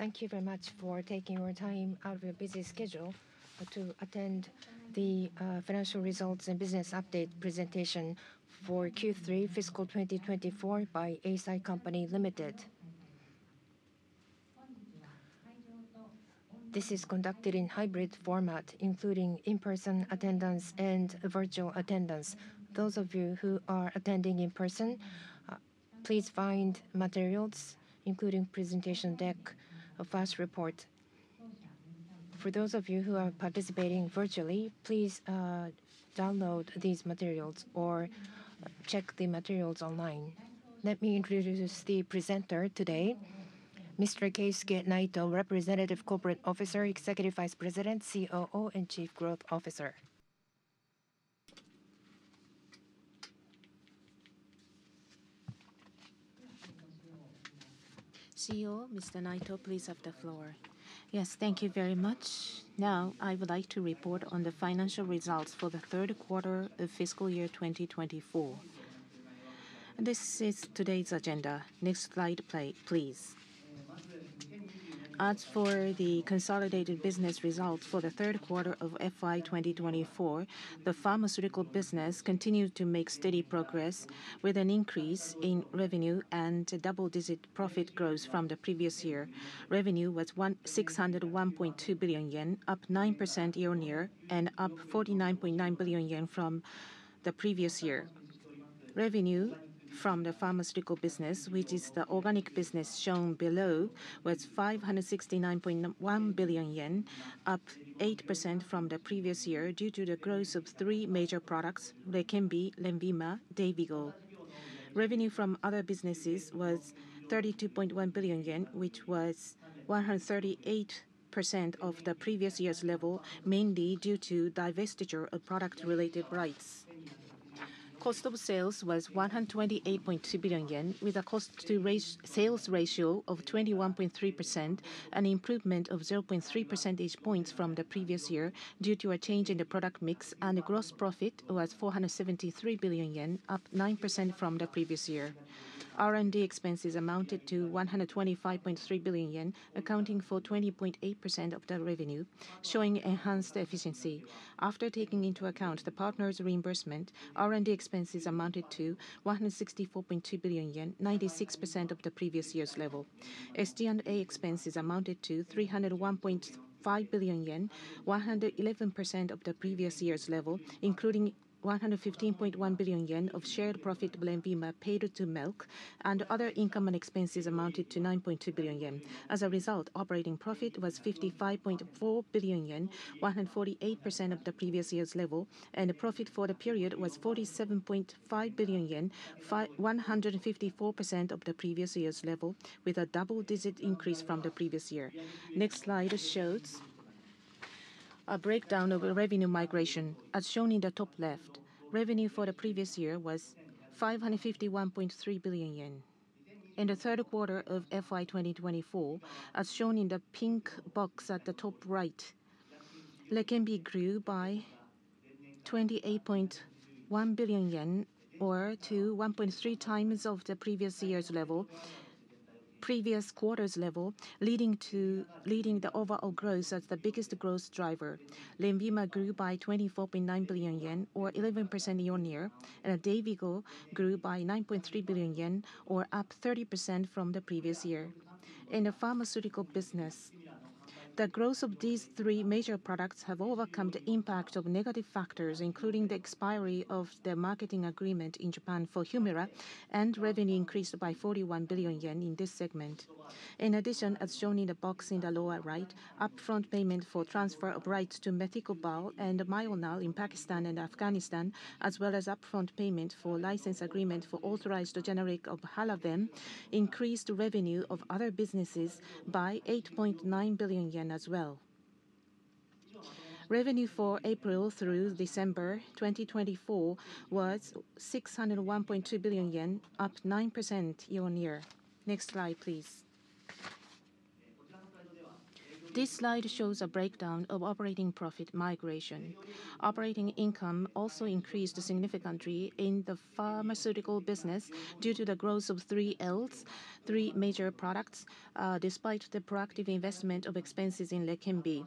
Thank you very much for taking your time out of your busy schedule to attend the financial results and business update presentation for Q3, Fiscal 2024, by Eisai Company Limited. This is conducted in hybrid format, including in-person attendance and virtual attendance. Those of you who are attending in person, please find materials, including the presentation deck, a fact sheet. For those of you who are participating virtually, please download these materials or check the materials online. Let me introduce the presenter today: Mr. Keisuke Naito, Representative Corporate Officer, Executive Vice President, COO, and Chief Growth Officer. COO Mr. Naito, please have the floor. Yes, thank you very much. Now, I would like to report on the financial results for the third quarter of Fiscal Year 2024. This is today's agenda. Next slide, please. As for the consolidated business results for the third quarter of FY 2024, the pharmaceutical business continued to make steady progress with an increase in revenue and double-digit profit growth from the previous year. Revenue was 601.2 billion yen, up 9% year-on-year, and up JPY 49.9 billion from the previous year. Revenue from the pharmaceutical business, which is the organic business shown below, was 569.1 billion yen, up 8% from the previous year due to the growth of three major products: Leqembi, Lenvima, and Dayvigo. Revenue from other businesses was 32.1 billion yen, which was 138% of the previous year's level, mainly due to divestiture of product-related rights. Cost of sales was 128.2 billion yen, with a cost-to-sales ratio of 21.3%, an improvement of 0.3 percentage points from the previous year due to a change in the product mix, and the gross profit was 473 billion yen, up 9% from the previous year. R&D expenses amounted to 125.3 billion yen, accounting for 20.8% of the revenue, showing enhanced efficiency. After taking into account the partners' reimbursement, R&D expenses amounted to 164.2 billion yen, 96% of the previous year's level. SG&A expenses amounted to 301.5 billion yen, 111% of the previous year's level, including 115.1 billion yen of shared profit by Lenvima paid to Merck, and other income and expenses amounted to 9.2 billion yen. As a result, operating profit was 55.4 billion yen, 148% of the previous year's level, and profit for the period was 47.5 billion yen, 154% of the previous year's level, with a double-digit increase from the previous year. Next slide shows a breakdown of revenue migration, as shown in the top left. Revenue for the previous year was 551.3 billion yen. In the third quarter of FY 2024, as shown in the pink box at the top right, Leqembi grew by 28.1 billion yen, or to 1.3x of the previous year's level, previous quarter's level, leading the overall growth as the biggest growth driver. Lenvima grew by 24.9 billion yen, or 11% year-on-year, and Dayvigo grew by 9.3 billion yen, or up 30% from the previous year. In the pharmaceutical business, the growth of these three major products has overcome the impact of negative factors, including the expiration of the marketing agreement in Japan for Humira, and revenue increased by 41 billion yen in this segment. In addition, as shown in the box in the lower right, upfront payment for transfer of rights to Methycobal and Myonal in Pakistan and Afghanistan, as well as upfront payment for license agreement for authorized generic of Halaven, increased revenue of other businesses by 8.9 billion yen as well. Revenue for April through December 2024 was 601.2 billion yen, up 9% year-on-year. Next slide, please. This slide shows a breakdown of operating profit margin. Operating income also increased significantly in the pharmaceutical business due to the growth of 3Ls, three major products, despite the proactive investment of expenses in Leqembi.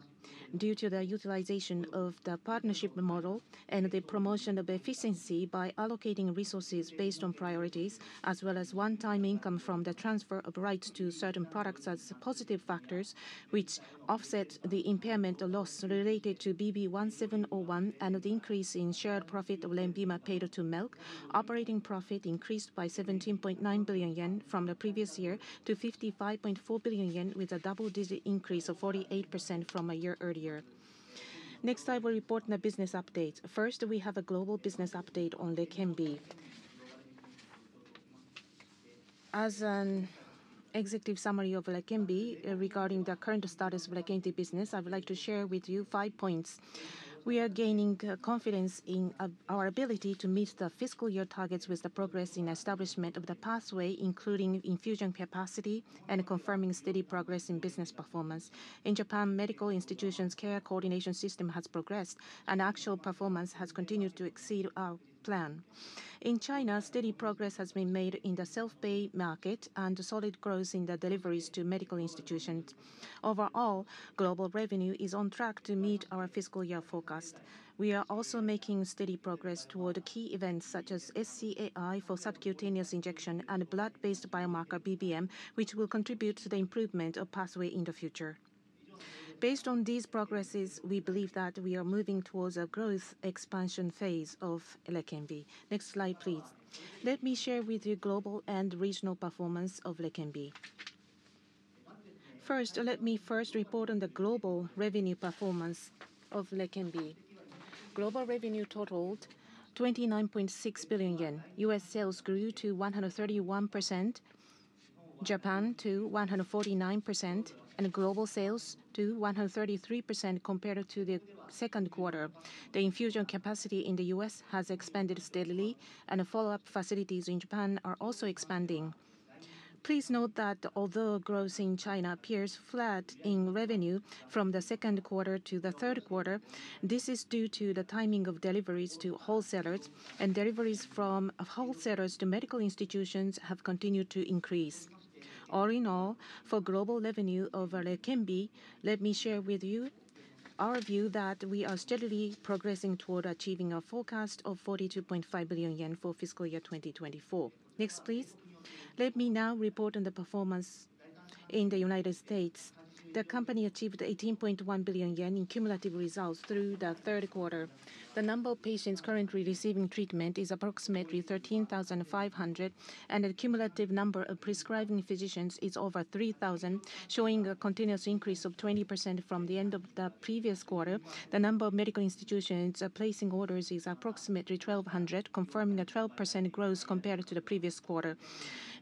Due to the utilization of the partnership model and the promotion of efficiency by allocating resources based on priorities, as well as one-time income from the transfer of rights to certain products as positive factors, which offset the impairment loss related to BB-1701 and the increase in shared profit of Lenvima paid to Merck, operating profit increased by 17.9 billion yen from the previous year to 55.4 billion yen, with a double-digit increase of 48% from a year earlier. Next, I will report on the business update. First, we have a global business update on Leqembi. As an executive summary of Leqembi regarding the current status of Leqembi business, I would like to share with you five points. We are gaining confidence in our ability to meet the fiscal year targets with the progress in establishment of the pathway, including infusion capacity, and confirming steady progress in business performance. In Japan, medical institutions' care coordination system has progressed, and actual performance has continued to exceed our plan. In China, steady progress has been made in the self-pay market and solid growth in the deliveries to medical institutions. Overall, global revenue is on track to meet our fiscal year focus. We are also making steady progress toward key events such as SC AI for subcutaneous injection and blood-based biomarker BBM, which will contribute to the improvement of pathway in the future. Based on these progresses, we believe that we are moving towards a growth expansion phase of Leqembi. Next slide, please. Let me share with you global and regional performance of Leqembi. First, let me first report on the global revenue performance of Leqembi. Global revenue totaled 29.6 billion yen. US sales grew to 131%, Japan to 149%, and global sales to 133% compared to the second quarter. The infusion capacity in the U.S. has expanded steadily, and follow-up facilities in Japan are also expanding. Please note that although growth in China appears flat in revenue from the second quarter to the third quarter, this is due to the timing of deliveries to wholesalers, and deliveries from wholesalers to medical institutions have continued to increase. All in all, for global revenue over Leqembi, let me share with you our view that we are steadily progressing toward achieving a forecast of 42.5 billion yen for fiscal year 2024. Next, please. Let me now report on the performance in the United States. The company achieved 18.1 billion yen in cumulative results through the third quarter. The number of patients currently receiving treatment is approximately 13,500, and the cumulative number of prescribing physicians is over 3,000, showing a continuous increase of 20% from the end of the previous quarter. The number of medical institutions placing orders is approximately 1,200, confirming a 12% growth compared to the previous quarter.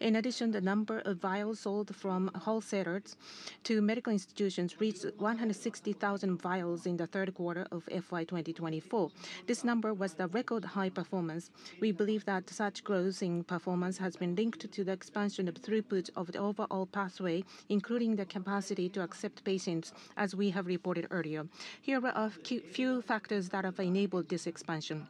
In addition, the number of vials sold from wholesalers to medical institutions reached 160,000 vials in the third quarter of FY 2024. This number was the record high performance. We believe that such growth in performance has been linked to the expansion of throughput of the overall pathway, including the capacity to accept patients, as we have reported earlier. Here are a few factors that have enabled this expansion.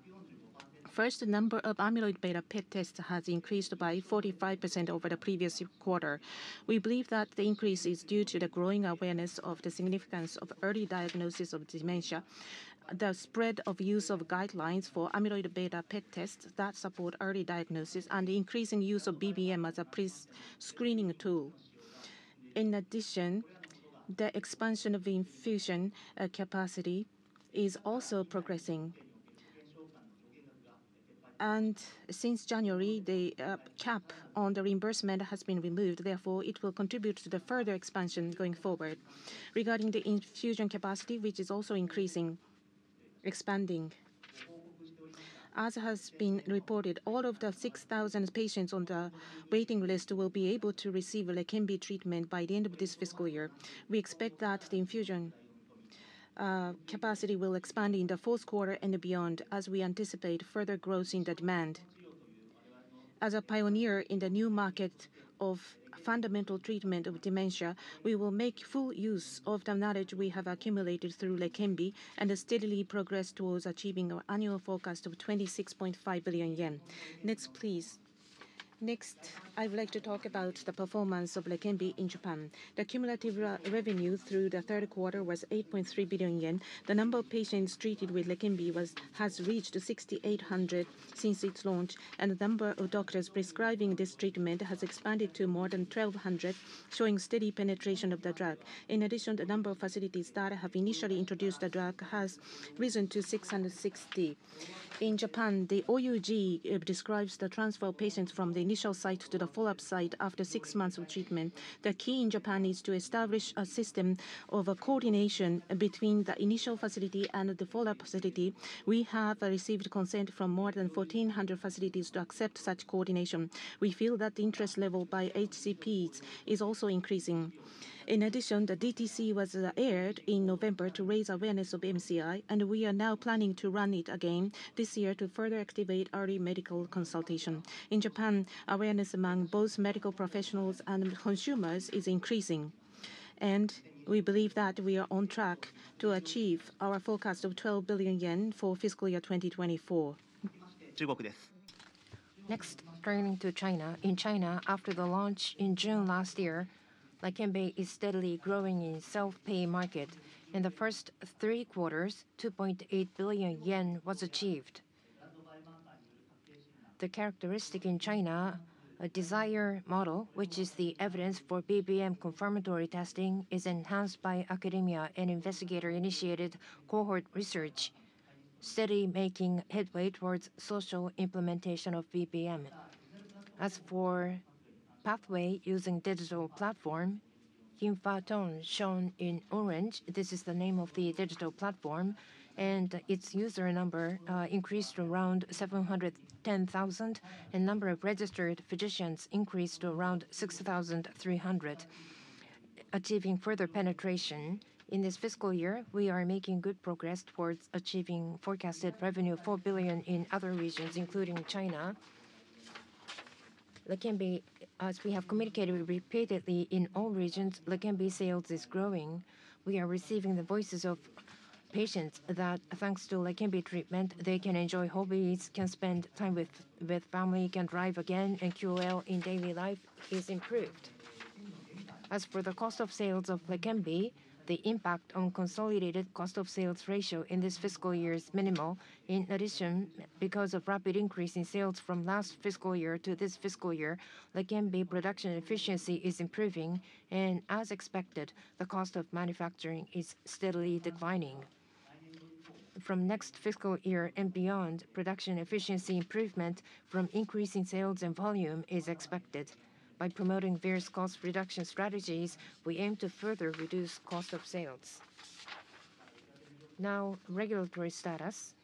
First, the number of amyloid beta PET tests has increased by 45% over the previous quarter. We believe that the increase is due to the growing awareness of the significance of early diagnosis of dementia, the spread of use of guidelines for amyloid beta PET tests that support early diagnosis, and the increasing use of BBM as a prescreening tool. In addition, the expansion of infusion capacity is also progressing, and since January, the cap on the reimbursement has been removed. Therefore, it will contribute to the further expansion going forward. Regarding the infusion capacity, which is also increasing, expanding. As has been reported, all of the 6,000 patients on the waiting list will be able to receive Leqembi treatment by the end of this fiscal year. We expect that the infusion capacity will expand in the fourth quarter and beyond, as we anticipate further growth in the demand. As a pioneer in the new market of fundamental treatment of dementia, we will make full use of the knowledge we have accumulated through Leqembi and steadily progress towards achieving our annual forecast of 26.5 billion yen. Next, please. Next, I would like to talk about the performance of Leqembi in Japan. The cumulative revenue through the third quarter was 8.3 billion yen. The number of patients treated with Leqembi has reached 6,800 since its launch, and the number of doctors prescribing this treatment has expanded to more than 1,200, showing steady penetration of the drug. In addition, the number of facilities that have initially introduced the drug has risen to 660. In Japan, the OUG describes the transfer of patients from the initial site to the follow-up site after six months of treatment. The key in Japan is to establish a system of coordination between the initial facility and the follow-up facility. We have received consent from more than 1,400 facilities to accept such coordination. We feel that the interest level by HCPs is also increasing. In addition, the DTC was aired in November to raise awareness of MCI, and we are now planning to run it again this year to further activate early medical consultation. In Japan, awareness among both medical professionals and consumers is increasing, and we believe that we are on track to achieve our forecast of 12 billion yen for fiscal year 2024. Next, turning to China. In China, after the launch in June last year, Leqembi is steadily growing in self-pay market. In the first three quarters, 2.8 billion yen was achieved. The characteristic in China, a diagnostic model, which is the evidence for BBM confirmatory testing, is enhanced by academia and investigator-initiated cohort research, steadily making headway towards social implementation of BBM. As for pathway using digital platform, Yin Fa Tong, shown in orange, this is the name of the digital platform, and its user number increased to around 710,000, and the number of registered physicians increased to around 6,300, achieving further penetration. In this fiscal year, we are making good progress towards achieving forecasted revenue of 4 billion in other regions, including China. Leqembi, as we have communicated repeatedly in all regions, Leqembi sales is growing. We are receiving the voices of patients that, thanks to Leqembi treatment, they can enjoy hobbies, can spend time with family, can drive again, and QOL in daily life is improved. As for the cost of sales of Leqembi, the impact on consolidated cost of sales ratio in this fiscal year is minimal. In addition, because of rapid increase in sales from last fiscal year to this fiscal year, Leqembi production efficiency is improving, and as expected, the cost of manufacturing is steadily declining. From next fiscal year and beyond, production efficiency improvement from increasing sales and volume is expected. By promoting various cost reduction strategies, we aim to further reduce cost of sales. Now, regulatory status.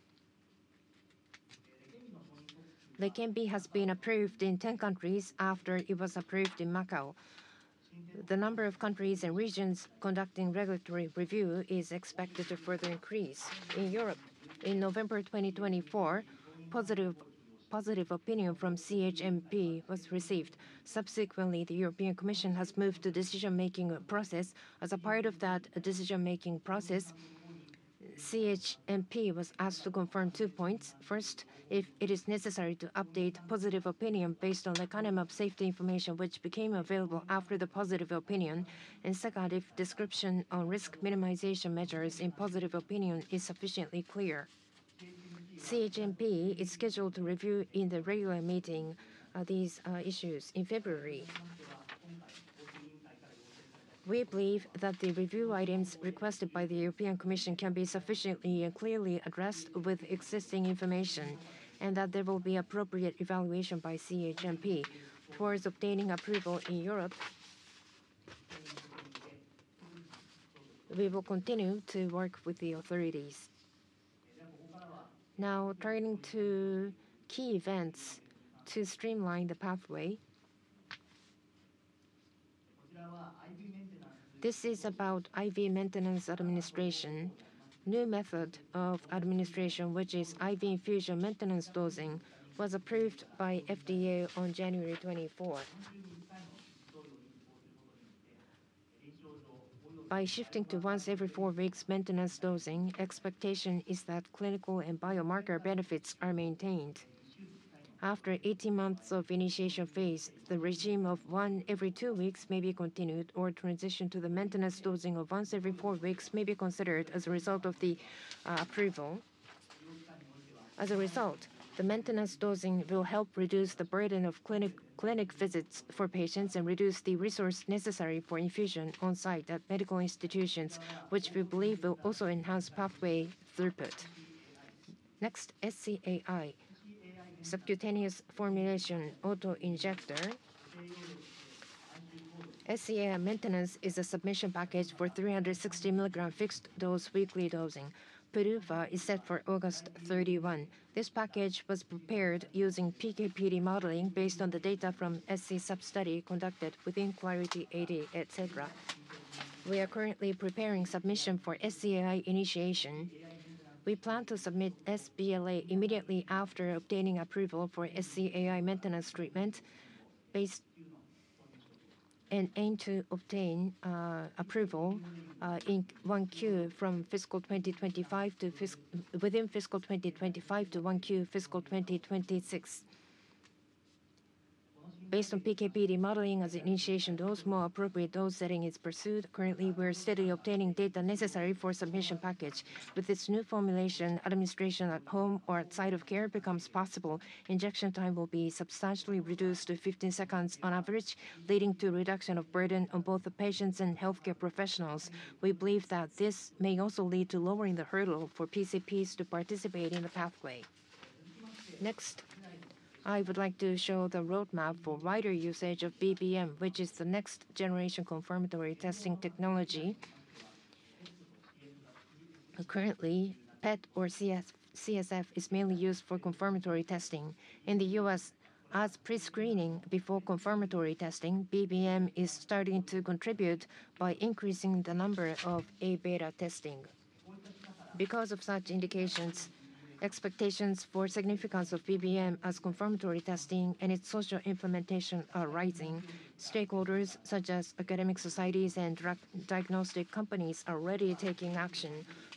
Leqembi has been approved in 10 countries after it was approved in Macau. The number of countries and regions conducting regulatory review is expected to further increase. In Europe, in November 2024, positive opinion from CHMP was received. Subsequently, the European Commission has moved to decision-making process. As a part of that decision-making process, CHMP was asked to confirm two points. First, if it is necessary to update positive opinion based on the kind of safety information which became available after the positive opinion, and second, if description on risk minimization measures in positive opinion is sufficiently clear. CHMP is scheduled to review in the regular meeting these issues in February. We believe that the review items requested by the European Commission can be sufficiently and clearly addressed with existing information and that there will be appropriate evaluation by CHMP. Towards obtaining approval in Europe, we will continue to work with the authorities. Now, turning to key events to streamline the pathway. This is about IV maintenance administration. New method of administration, which is IV infusion maintenance dosing, was approved by FDA on January 24. By shifting to once every four weeks maintenance dosing, expectation is that clinical and biomarker benefits are maintained. After 18 months of initiation phase, the regimen of one every two weeks may be continued, or transition to the maintenance dosing of once every four weeks may be considered as a result of the approval. As a result, the maintenance dosing will help reduce the burden of clinic visits for patients and reduce the resource necessary for infusion on site at medical institutions, which we believe will also enhance pathway throughput. Next, SC AI, subcutaneous formulation autoinjector. SC AI maintenance is a submission package for 360 mg fixed dose weekly dosing. PDUFA is set for August 31. This package was prepared using PKPD modeling based on the data from SC sub-study conducted within Clarity AD, etc. We are currently preparing submission for SC AI initiation. We plan to submit sBLA immediately after obtaining approval for SC AI maintenance treatment and aim to obtain approval in 1Q fiscal 2025 to within 1Q fiscal 2026. Based on PKPD modeling as initiation dose, more appropriate dose setting is pursued. Currently, we are steadily obtaining data necessary for submission package. With this new formulation, administration at home or outside of care becomes possible. Injection time will be substantially reduced to 15 seconds on average, leading to reduction of burden on both patients and healthcare professionals. We believe that this may also lead to lowering the hurdle for PCPs to participate in the pathway. Next, I would like to show the roadmap for wider usage of BBM, which is the next generation confirmatory testing technology. Currently, PET or CSF is mainly used for confirmatory testing. In the U.S., as pre-screening before confirmatory testing, BBM is starting to contribute by increasing the number of A beta testing. Because of such indications, expectations for significance of BBM as confirmatory testing and its social implementation are rising. Stakeholders such as academic societies and diagnostic companies are already taking action.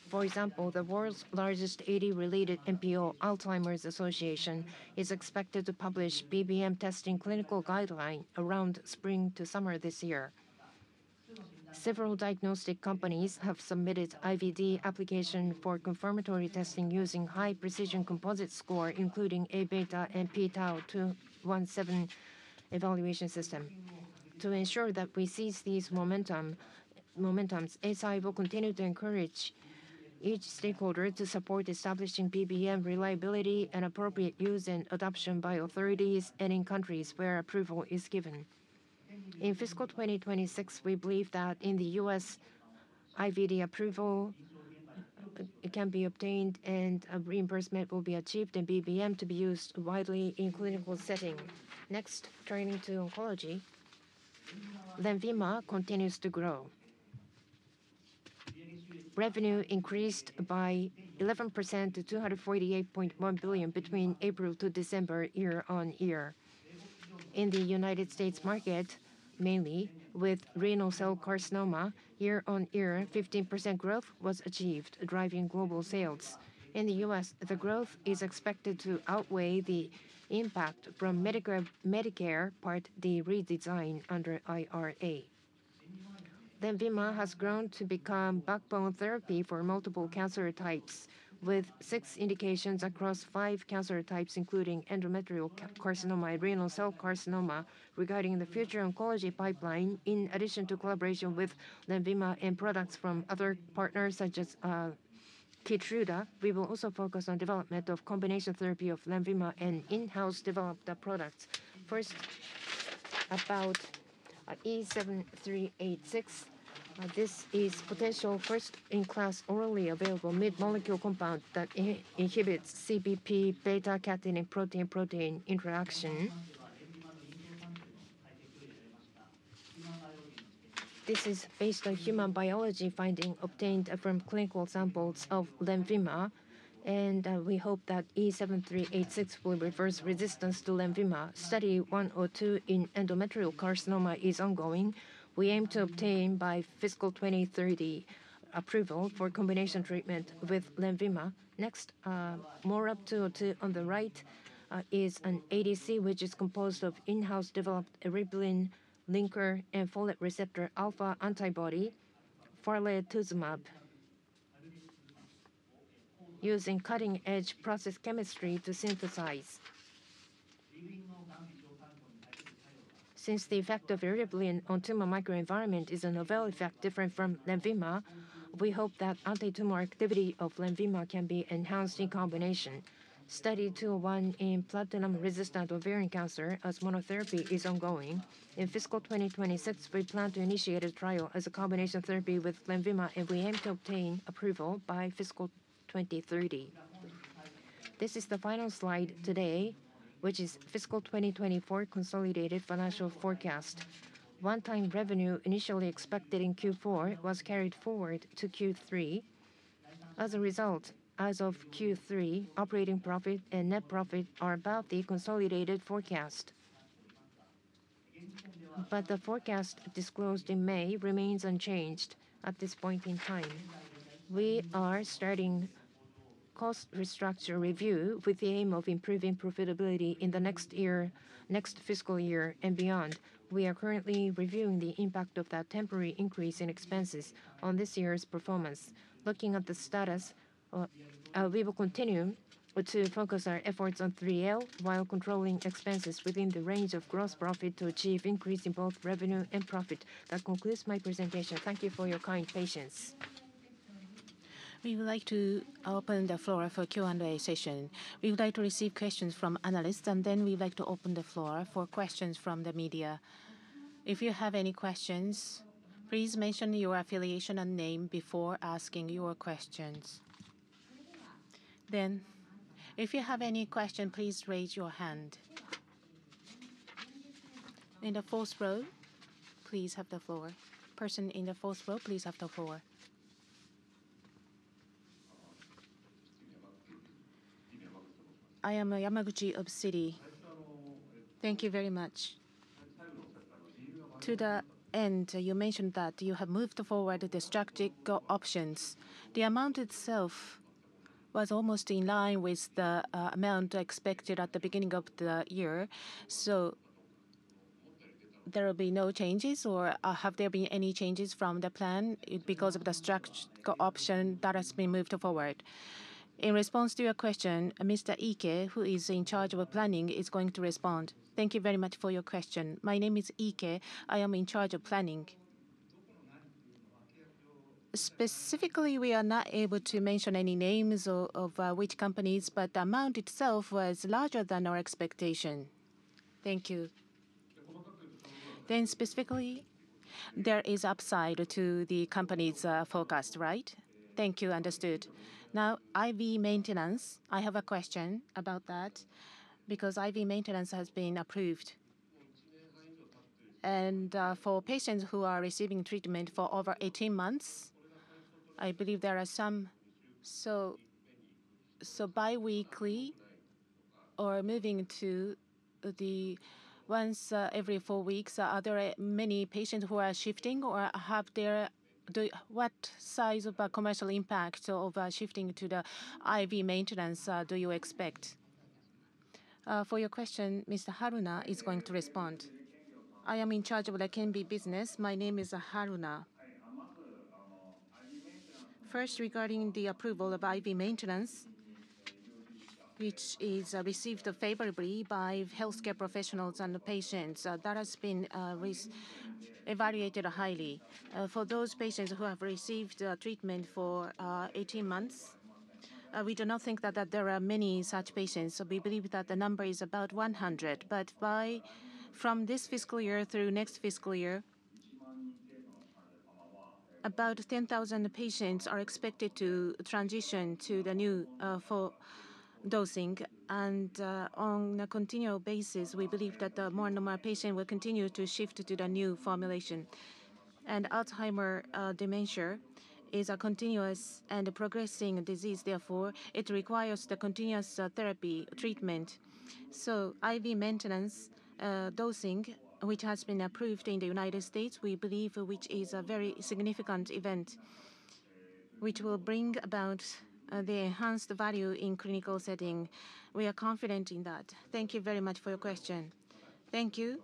For example, the world's largest AD-related NPO, Alzheimer's Association, is expected to publish BBM testing clinical guideline around spring to summer this year. Several diagnostic companies have submitted IVD application for confirmatory testing using high precision composite score, including A beta and p-Tau 217 evaluation system. To ensure that we seize these momentums, Eisai will continue to encourage each stakeholder to support establishing BBM reliability and appropriate use and adoption by authorities and in countries where approval is given. In fiscal 2026, we believe that in the U.S., IVD approval can be obtained and reimbursement will be achieved and BBM to be used widely in clinical setting. Next, turning to oncology, Lenvima continues to grow. Revenue increased by 11% to 248.1 billion between April to December year-on-year. In the United States market, mainly with renal cell carcinoma, year-on-year, 15% growth was achieved, driving global sales. In the U.S., the growth is expected to outweigh the impact from Medicare Part D redesign under IRA. Lenvima has grown to become backbone therapy for multiple cancer types, with six indications across five cancer types, including endometrial carcinoma and renal cell carcinoma. Regarding the future oncology pipeline, in addition to collaboration with Lenvima and products from other partners such as Keytruda, we will also focus on development of combination therapy of Lenvima and in-house developed products. First, about E7386. This is potential first-in-class orally available mid-molecule compound that inhibits CBP/beta-catenin protein-protein interaction. This is based on human biology findings obtained from clinical samples of Lenvima, and we hope that E7386 will reverse resistance to Lenvima. Study 102 in endometrial carcinoma is ongoing. We aim to obtain by fiscal 2030 approval for combination treatment with Lenvima. Next, MORAb-202 on the right is an ADC, which is composed of in-house developed eribulin linker and folate receptor alpha antibody, Farletuzumab, using cutting-edge process chemistry to synthesize. Since the effect of farletuzumab on tumor microenvironment is a novel effect different from Lenvima, we hope that anti-tumor activity of Lenvima can be enhanced in combination. Study 201 in platinum-resistant ovarian cancer, as monotherapy is ongoing. In fiscal 2026, we plan to initiate a trial as a combination therapy with Lenvima, and we aim to obtain approval by fiscal 2030. This is the final slide today, which is fiscal 2024 consolidated financial forecast. One-time revenue initially expected in Q4 was carried forward to Q3. As a result, as of Q3, operating profit and net profit are about the consolidated forecast. But the forecast disclosed in May remains unchanged at this point in time. We are starting cost restructuring review with the aim of improving profitability in the next year, next fiscal year, and beyond. We are currently reviewing the impact of that temporary increase in expenses on this year's performance. Looking at the status, we will continue to focus our efforts on 3L while controlling expenses within the range of gross profit to achieve increase in both revenue and profit. That concludes my presentation. Thank you for your kind patience. We would like to open the floor for Q&A session. We would like to receive questions from analysts, and then we'd like to open the floor for questions from the media. If you have any questions, please mention your affiliation and name before asking your questions. Then, if you have any question, please raise your hand. In the fourth row, please have the floor. Person in the fourth row, please have the floor. I am Yamaguchi of Citigroup. Thank you very much. To the end, you mentioned that you have moved forward the strategic options. The amount itself was almost in line with the amount expected at the beginning of the year, so there will be no changes, or have there been any changes from the plan because of the strategic option that has been moved forward? In response to your question, Mr. Ike, who is in charge of planning, is going to respond. Thank you very much for your question. My name is Ike. I am in charge of planning. Specifically, we are not able to mention any names of which companies, but the amount itself was larger than our expectation. Thank you. Then specifically, there is upside to the company's forecast, right? Thank you. Understood. Now, IV maintenance, I have a question about that because IV maintenance has been approved. And for patients who are receiving treatment for over 18 months, I believe there are some. So biweekly or moving to the once every four weeks, are there many patients who are shifting or have their what size of a commercial impact of shifting to the IV maintenance do you expect? For your question, Mr. Haruna is going to respond. I am in charge of the Leqembi business. My name is Haruna. First, regarding the approval of IV maintenance, which is received favorably by healthcare professionals and patients that has been evaluated highly. For those patients who have received treatment for 18 months, we do not think that there are many such patients. We believe that the number is about 100. But from this fiscal year through next fiscal year, about 10,000 patients are expected to transition to the new dosing. On a continual basis, we believe that more and more patients will continue to shift to the new formulation. Alzheimer's dementia is a continuous and progressing disease. Therefore, it requires the continuous therapy treatment. IV maintenance dosing, which has been approved in the United States, we believe which is a very significant event, which will bring about the enhanced value in clinical setting. We are confident in that. Thank you very much for your question. Thank you.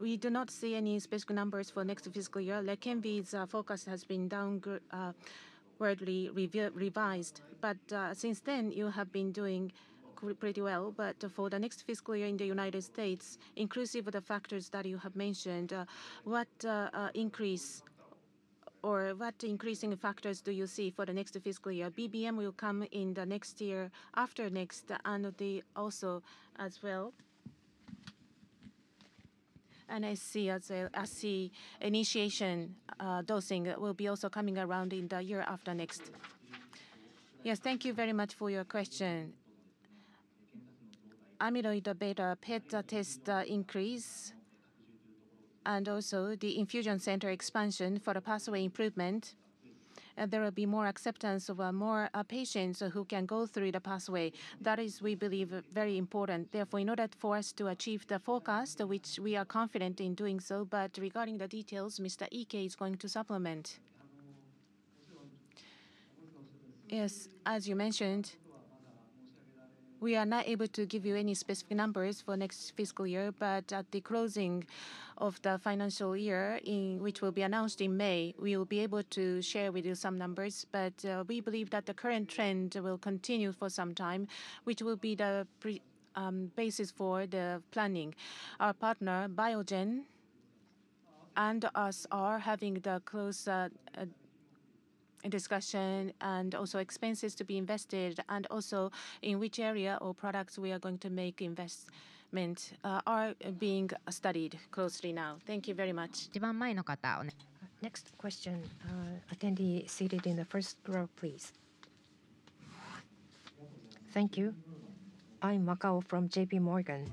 We do not see any specific numbers for next fiscal year. The Leqembi's forecast has been downwardly revised. But since then, you have been doing pretty well. But for the next fiscal year in the United States, inclusive of the factors that you have mentioned, what increase or what increasing factors do you see for the next fiscal year? BBM will come in the next year after next and also as well, and I see initiation dosing will be also coming around in the year after next. Yes, thank you very much for your question. Amyloid beta PET test increase and also the infusion center expansion for the pathway improvement. There will be more acceptance of more patients who can go through the pathway. That is, we believe, very important. Therefore, in order for us to achieve the forecast, which we are confident in doing so, but regarding the details, Mr. Ike is going to supplement. Yes, as you mentioned, we are not able to give you any specific numbers for next fiscal year, but at the closing of the financial year, which will be announced in May, we will be able to share with you some numbers. But we believe that the current trend will continue for some time, which will be the basis for the planning. Our partner, Biogen, and us are having the close discussion and also expenses to be invested and also in which area or products we are going to make investment are being studied closely now. Thank you very much. Next question, attendee seated in the first row, please. Thank you. I'm Wakao from JPMorgan.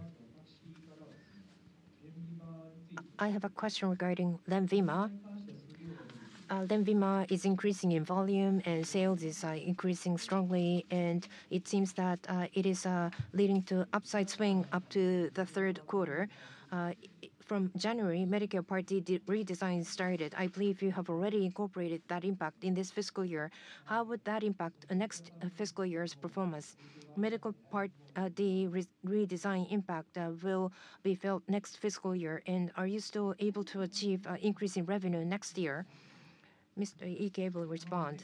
I have a question regarding Lenvima. Lenvima is increasing in volume, and sales are increasing strongly, and it seems that it is leading to an upside swing up to the third quarter. From January, Medicare Part D redesign started. I believe you have already incorporated that impact in this fiscal year. How would that impact next fiscal year's performance? Medicare Part D redesign impact will be felt next fiscal year, and are you still able to achieve an increase in revenue next year? Mr. Ike will respond.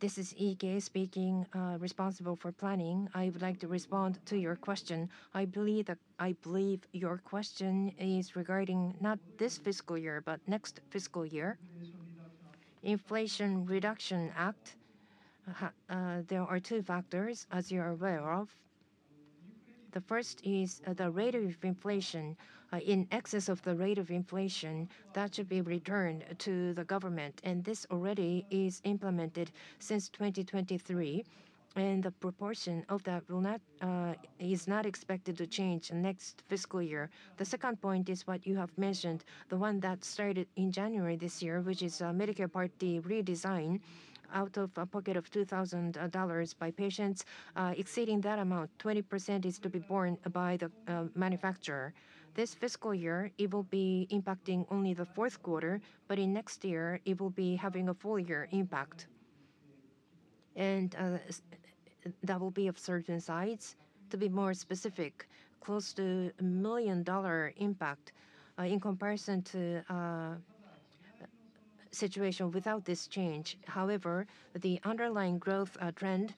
This is Ike speaking, responsible for planning. I would like to respond to your question. I believe your question is regarding not this fiscal year, but next fiscal year. Inflation Reduction Act, there are two factors, as you are aware of. The first is the rate of inflation in excess of the rate of inflation that should be returned to the government, and this already is implemented since 2023, and the proportion of that is not expected to change next fiscal year. The second point is what you have mentioned, the one that started in January this year, which is Medicare Part D redesign out-of-pocket of $2,000 by patients. Exceeding that amount, 20% is to be borne by the manufacturer. This fiscal year, it will be impacting only the fourth quarter, but in next year, it will be having a full year impact, and that will be of certain size. To be more specific, close to a $1 million impact in comparison to a situation without this change. However, the underlying growth trend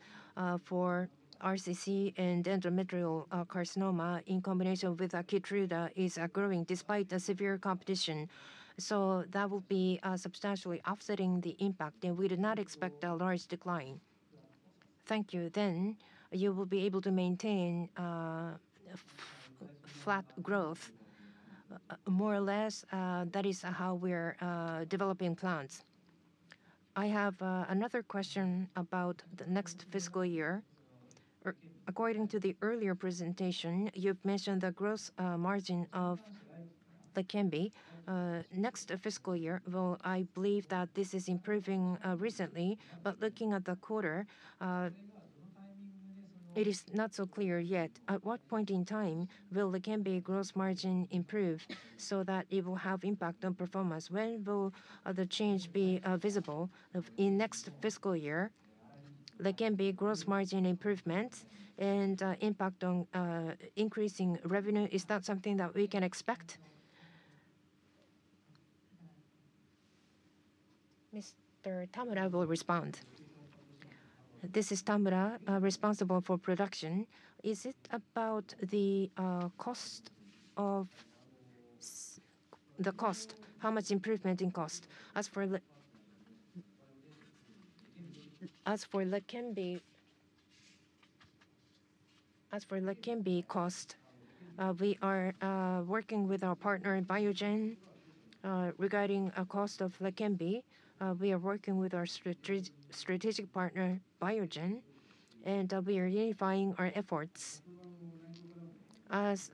for RCC and endometrial carcinoma in combination with Keytruda is growing despite the severe competition. So that will be substantially offsetting the impact, and we do not expect a large decline. Thank you. Then you will be able to maintain flat growth. More or less, that is how we're developing plans. I have another question about the next fiscal year. According to the earlier presentation, you've mentioned the gross margin of the Leqembi. Next fiscal year, well, I believe that this is improving recently, but looking at the quarter, it is not so clear yet. At what point in time will the Leqembi gross margin improve so that it will have impact on performance? When will the change be visible in next fiscal year? The Leqembi gross margin improvement and impact on increasing revenue, is that something that we can expect? Mr. Tamura will respond. This is Tamura, responsible for production. Is it about the cost of the cost, how much improvement in cost? As for the Leqembi cost, we are working with our partner, Biogen, regarding a cost of the Leqembi. We are working with our strategic partner, Biogen, and we are unifying our efforts. As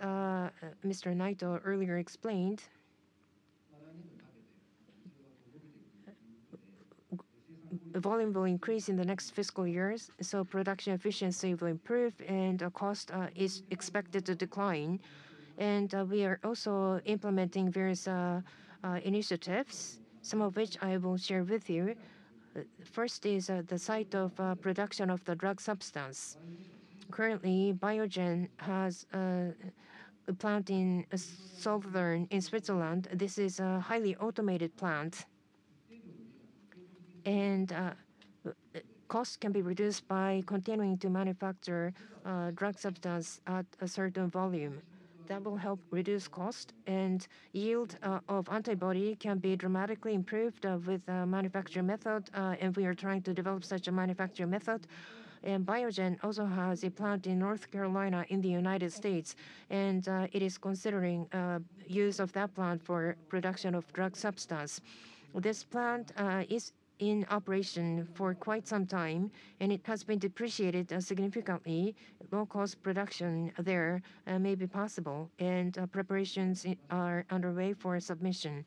Mr. Naito earlier explained, volume will increase in the next fiscal years, so production efficiency will improve, and the cost is expected to decline. We are also implementing various initiatives, some of which I will share with you. First is the site of production of the drug substance. Currently, Biogen has a plant in Solothurn in Switzerland. This is a highly automated plant, and cost can be reduced by continuing to manufacture drug substance at a certain volume. That will help reduce cost, and yield of antibody can be dramatically improved with a manufacturing method, and we are trying to develop such a manufacturing method. Biogen also has a plant in North Carolina in the United States, and it is considering use of that plant for production of drug substance. This plant is in operation for quite some time, and it has been depreciated significantly. Low-cost production there may be possible, and preparations are underway for submission.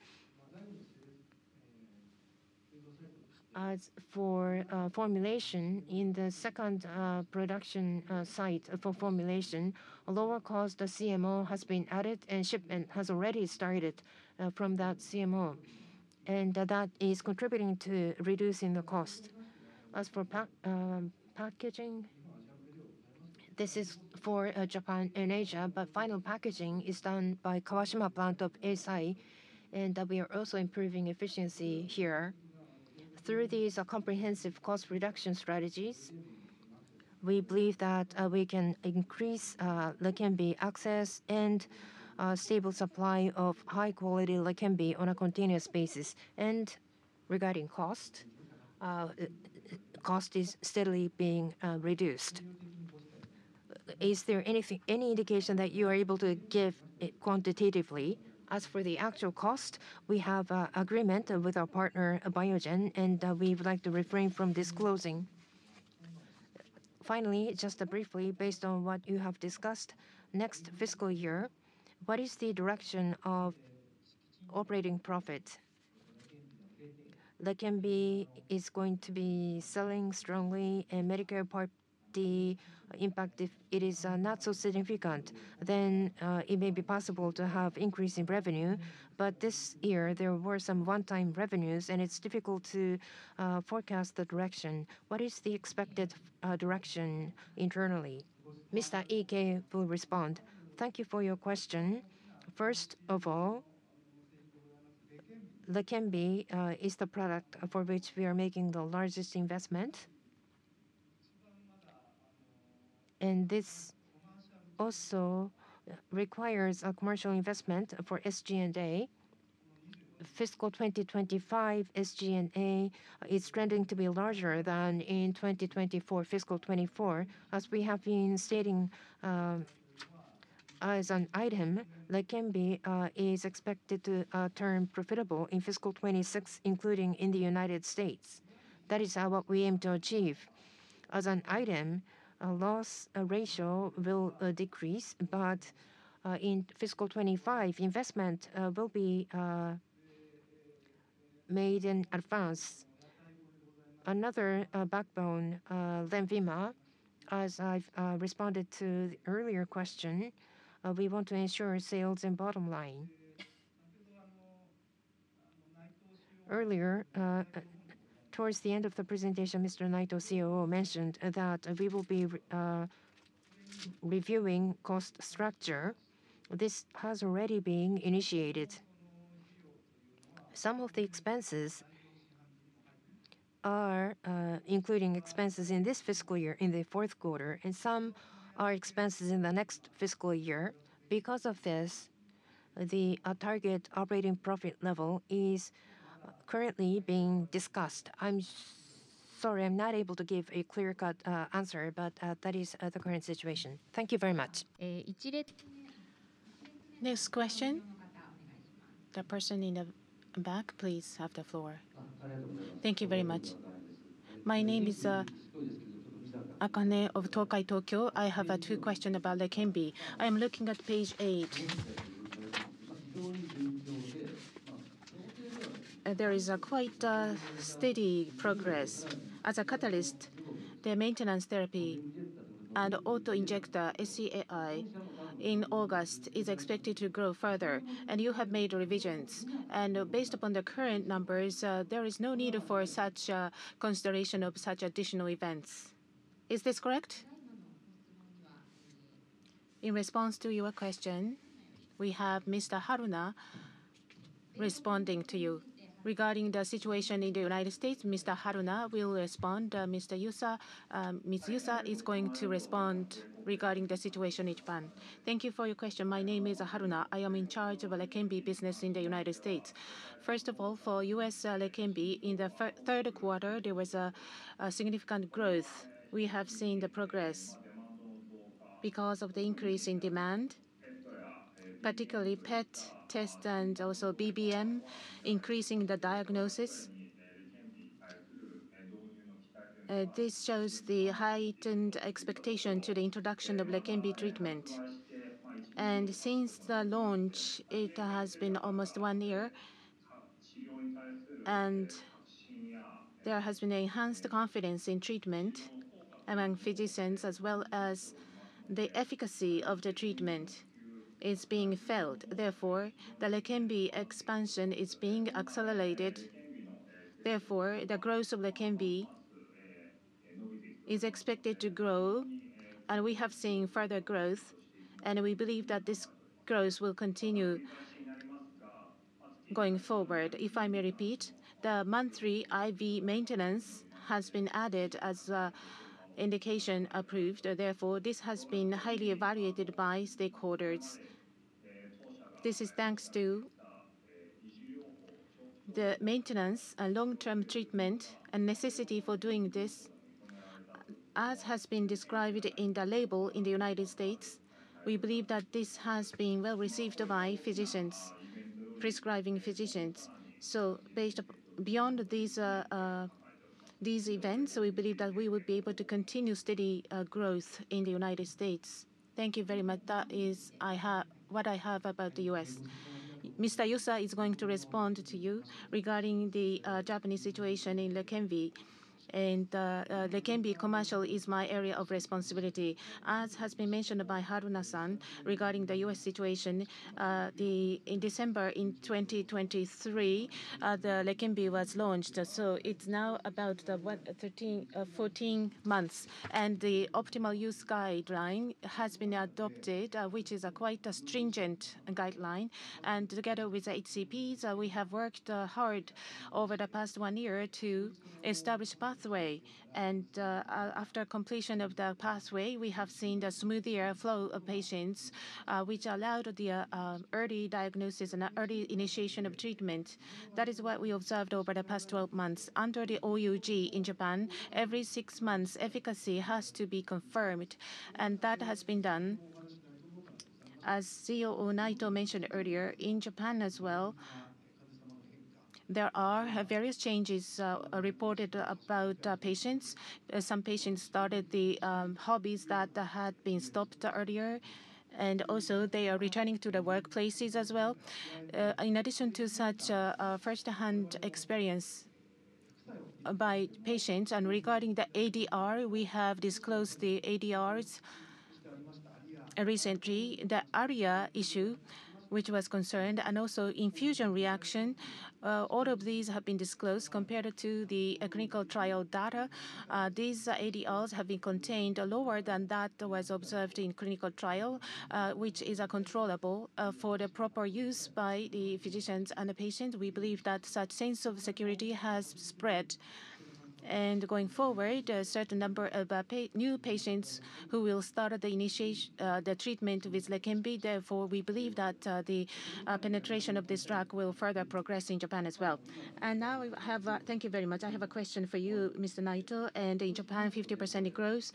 As for formulation in the second production site for formulation, a lower-cost CMO has been added, and shipment has already started from that CMO, and that is contributing to reducing the cost. As for packaging, this is for Japan and Asia, but final packaging is done by Kawashima Plant of Eisai, and we are also improving efficiency here. Through these comprehensive cost reduction strategies, we believe that we can increase the Leqembi access and stable supply of high-quality Leqembi on a continuous basis. And regarding cost, cost is steadily being reduced. Is there any indication that you are able to give quantitatively? As for the actual cost, we have an agreement with our partner, Biogen, and we would like to refrain from disclosing. Finally, just briefly, based on what you have discussed, next fiscal year, what is the direction of operating profit? The Leqembi is going to be selling strongly, and Medicare Part D impact, if it is not so significant, then it may be possible to have increasing revenue. But this year, there were some one-time revenues, and it's difficult to forecast the direction. What is the expected direction internally? Mr. Ike will respond. Thank you for your question. First of all, the Leqembi is the product for which we are making the largest investment, and this also requires a commercial investment for SG&A. Fiscal 2025, SG&A is trending to be larger than in 2024, fiscal 24. As we have been stating, as an item, the Leqembi is expected to turn profitable in fiscal 2026, including in the United States. That is what we aim to achieve. As an item, loss ratio will decrease, but in fiscal 2025, investment will be made in advance. Another backbone, Lenvima, as I've responded to the earlier question, we want to ensure sales and bottom line. Earlier, towards the end of the presentation, Mr. Naito, COO, mentioned that we will be reviewing cost structure. This has already been initiated. Some of the expenses are including expenses in this fiscal year in the fourth quarter, and some are expenses in the next fiscal year. Because of this, the target operating profit level is currently being discussed. I'm sorry, I'm not able to give a clear-cut answer, but that is the current situation. Thank you very much. Next question. The person in the back, please have the floor. Thank you very much. My name is Akane of Tokai Tokyo. I have two questions about the Leqembi. I am looking at page 8. There is quite steady progress. As a catalyst, the maintenance therapy and autoinjector SCAI in August is expected to grow further, and you have made revisions, and based upon the current numbers, there is no need for such consideration of such additional events. Is this correct? In response to your question, we have Mr. Haruna responding to you. Regarding the situation in the United States, Mr. Haruna will respond. Ms. Yusa is going to respond regarding the situation in Japan. Thank you for your question. My name is Haruna. I am in charge of the Leqembi business in the United States. First of all, for US Leqembi, in the third quarter, there was a significant growth. We have seen the progress because of the increase in demand, particularly PET test and also BBM increasing the diagnosis. This shows the heightened expectation to the introduction of the Leqembi treatment. Since the launch, it has been almost one year, and there has been enhanced confidence in treatment among physicians, as well as the efficacy of the treatment is being felt. Therefore, the Leqembi expansion is being accelerated. Therefore, the growth of the Leqembi is expected to grow, and we have seen further growth, and we believe that this growth will continue going forward. If I may repeat, the monthly IV maintenance has been added as an indication approved. Therefore, this has been highly evaluated by stakeholders. This is thanks to the maintenance and long-term treatment and necessity for doing this, as has been described in the label in the United States. We believe that this has been well received by physicians, prescribing physicians. Beyond these events, we believe that we will be able to continue steady growth in the United States. Thank you very much. That is what I have about the U.S. Mr. Yusa is going to respond to you regarding the Japanese situation in the Leqembi, and the Leqembi commercial is my area of responsibility. As has been mentioned by Haruna-san regarding the U.S. situation, in December 2023, the Leqembi was launched. So it's now about 14 months, and the optimal use guideline has been adopted, which is a quite stringent guideline. And together with the HCPs, we have worked hard over the past one year to establish a pathway. And after completion of the pathway, we have seen a smoother flow of patients, which allowed the early diagnosis and early initiation of treatment. That is what we observed over the past 12 months. Under the OUG in Japan, every six months, efficacy has to be confirmed, and that has been done. As COO Naito mentioned earlier, in Japan as well, there are various changes reported about patients. Some patients started the hobbies that had been stopped earlier, and also they are returning to the workplaces as well. In addition to such first-hand experience by patients, and regarding the ADR, we have disclosed the ADRs recently, the ARIA issue, which was concerned, and also infusion reaction. All of these have been disclosed compared to the clinical trial data. These ADRs have been contained lower than that was observed in clinical trial, which is controllable for the proper use by the physicians and the patients. We believe that such sense of security has spread, and going forward, a certain number of new patients who will start the treatment with the Leqembi. Therefore, we believe that the penetration of this drug will further progress in Japan as well. Now, thank you very much. I have a question for you, Mr. Naito. In Japan, 50% growth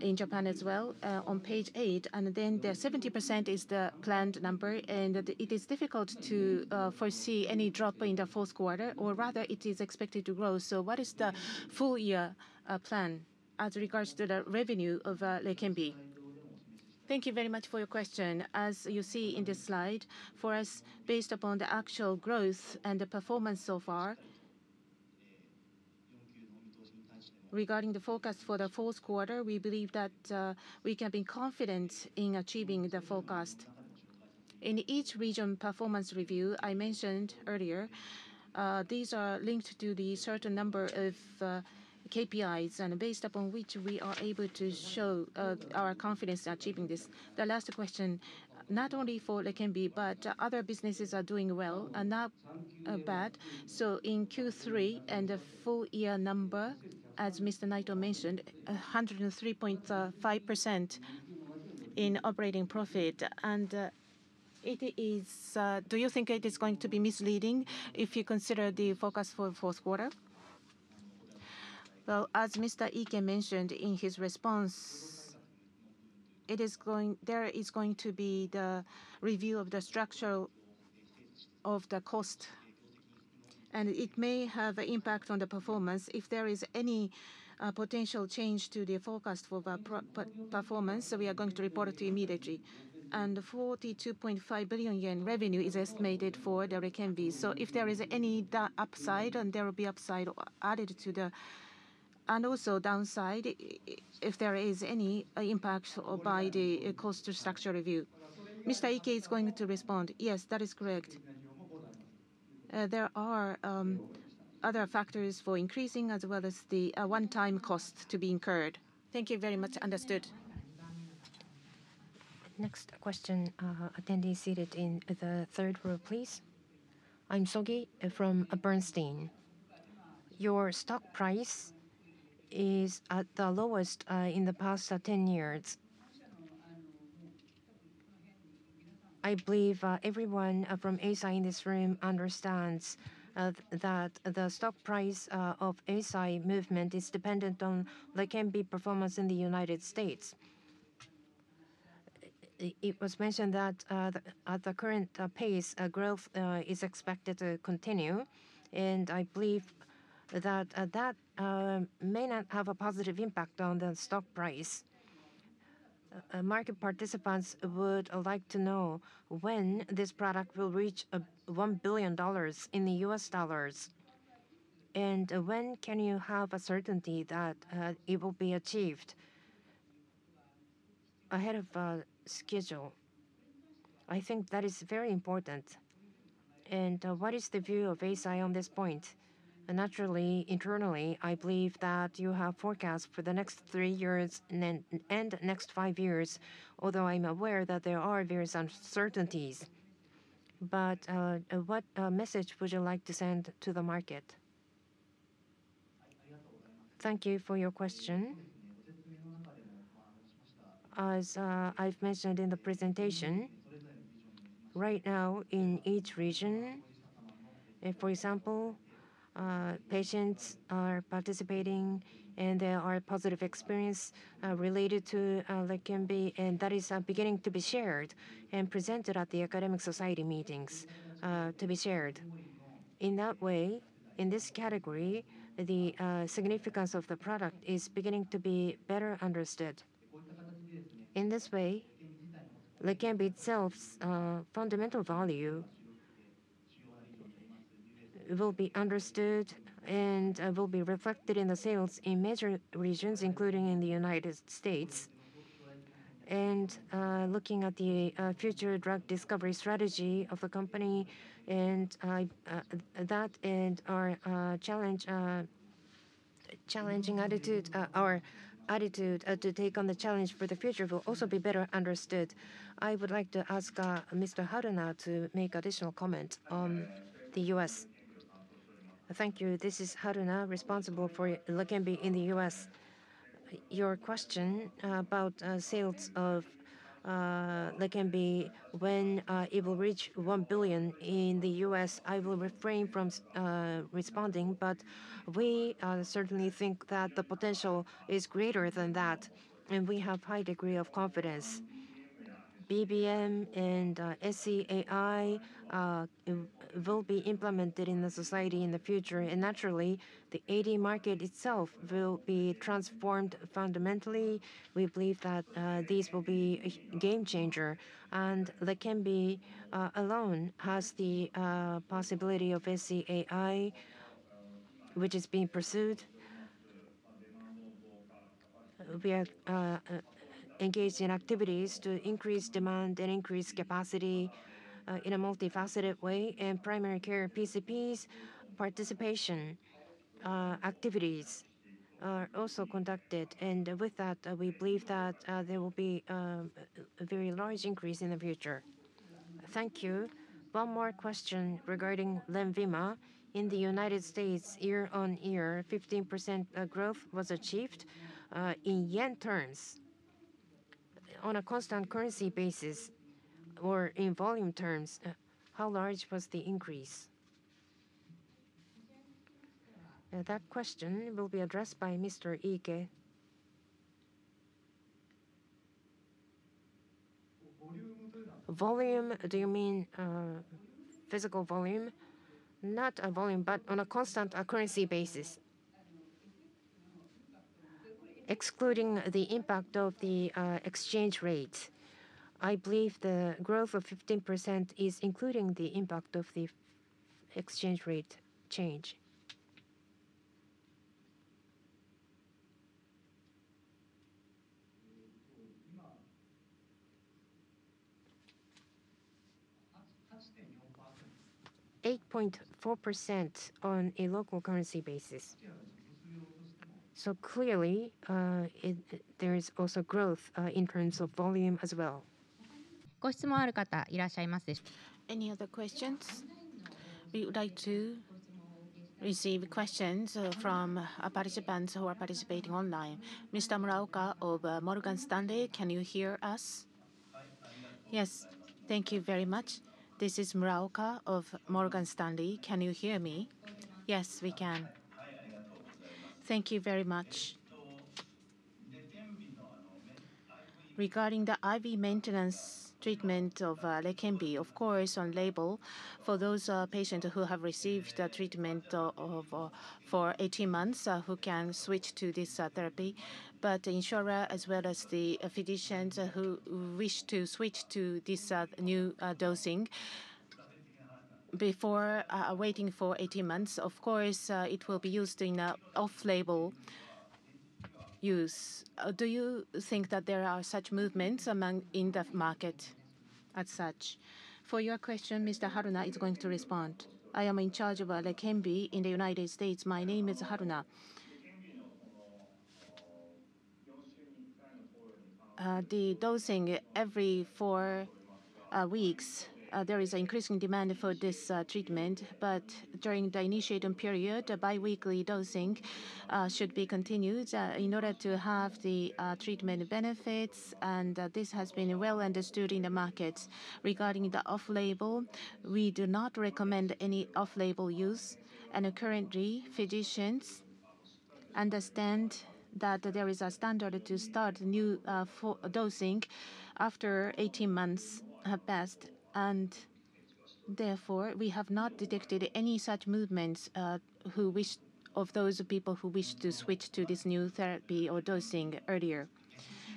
in Japan as well on page 8, and then the 70% is the planned number, and it is difficult to foresee any drop in the fourth quarter, or rather it is expected to grow. What is the full year plan as regards to the revenue of the Leqembi? Thank you very much for your question. As you see in this slide, for us, based upon the actual growth and the performance so far, regarding the forecast for the fourth quarter, we believe that we can be confident in achieving the forecast. In each region performance review I mentioned earlier, these are linked to a certain number of KPIs, and based upon which we are able to show our confidence in achieving this. The last question, not only for the Leqembi, but other businesses are doing well and not bad. In Q3 and the full year number, as Mr. Naito mentioned, 103.5% in operating profit. Do you think it is going to be misleading if you consider the forecast for the fourth quarter? As Mr. Ike mentioned in his response, there is going to be the review of the structure of the cost, and it may have an impact on the performance. If there is any potential change to the forecast for the performance, we are going to report it immediately. 42.5 billion yen revenue is estimated for the Leqembi. If there is any upside, and there will be upside added to the, and also downside if there is any impact by the cost structure review. Mr. Ike is going to respond. Yes, that is correct. There are other factors for increasing, as well as the one-time cost to be incurred. Thank you very much. Understood. Next question, attendee seated in the third row, please. I'm Sogi from Bernstein. Your stock price is at the lowest in the past 10 years. I believe everyone from Eisai in this room understands that the stock price of Eisai movement is dependent on the Leqembi performance in the United States. It was mentioned that at the current pace, growth is expected to continue, and I believe that that may not have a positive impact on the stock price. Market participants would like to know when this product will reach $1 billion, and when can you have a certainty that it will be achieved ahead of schedule? I think that is very important, and what is the view of Eisai on this point? Naturally, internally, I believe that you have forecast for the next three years and next five years, although I'm aware that there are various uncertainties. But what message would you like to send to the market? Thank you for your question. As I've mentioned in the presentation, right now in each region, for example, patients are participating, and there are positive experiences related to the Leqembi, and that is beginning to be shared and presented at the academic society meetings to be shared. In that way, in this category, the significance of the product is beginning to be better understood. In this way, the Leqembi itself's fundamental value will be understood and will be reflected in the sales in major regions, including in the United States. And looking at the future drug discovery strategy of the company, and that and our challenging attitude, our attitude to take on the challenge for the future will also be better understood. I would like to ask Mr. Haruna to make additional comment on the U.S. Thank you. This is Haruna, responsible for the Leqembi in the U.S. Your question about sales of the Leqembi, when it will reach $1 billion in the US, I will refrain from responding, but we certainly think that the potential is greater than that, and we have a high degree of confidence. BBM and SC AI will be implemented in the society in the future, and naturally, the AD market itself will be transformed fundamentally. We believe that these will be a game changer, and the Leqembi alone has the possibility of SC AI, which is being pursued. We are engaged in activities to increase demand and increase capacity in a multifaceted way, and primary care PCPs' participation activities are also conducted, and with that, we believe that there will be a very large increase in the future. Thank you. One more question regarding Lenvima. In the United States, year-on-year, 15% growth was achieved in yen terms on a constant currency basis or in volume terms. How large was the increase? That question will be addressed by Mr. Ike. Volume, do you mean physical volume? Not volume, but on a constant currency basis, excluding the impact of the exchange rate. I believe the growth of 15% is including the impact of the exchange rate change. 8.4% on a local currency basis. So clearly, there is also growth in terms of volume as well. Any other questions? We would like to receive questions from participants who are participating online. Mr. Muraoka of Morgan Stanley, can you hear us? Yes. Thank you very much. This is Muraoka of Morgan Stanley. Can you hear me? Yes, we can. Thank you very much. Regarding the IV maintenance treatment of the Leqembi, of course, on label for those patients who have received treatment for 18 months, who can switch to this therapy, but insurer, as well as the physicians who wish to switch to this new dosing before waiting for 18 months, of course, it will be used in off-label use. Do you think that there are such movements in the market as such? For your question, Mr. Haruna is going to respond. I am in charge of the Leqembi in the United States. My name is Haruna. The dosing every four weeks, there is an increasing demand for this treatment, but during the initiating period, biweekly dosing should be continued in order to have the treatment benefits, and this has been well understood in the market. Regarding the off-label, we do not recommend any off-label use, and currently, physicians understand that there is a standard to start new dosing after 18 months have passed, and therefore, we have not detected any such movements of those people who wish to switch to this new therapy or dosing earlier.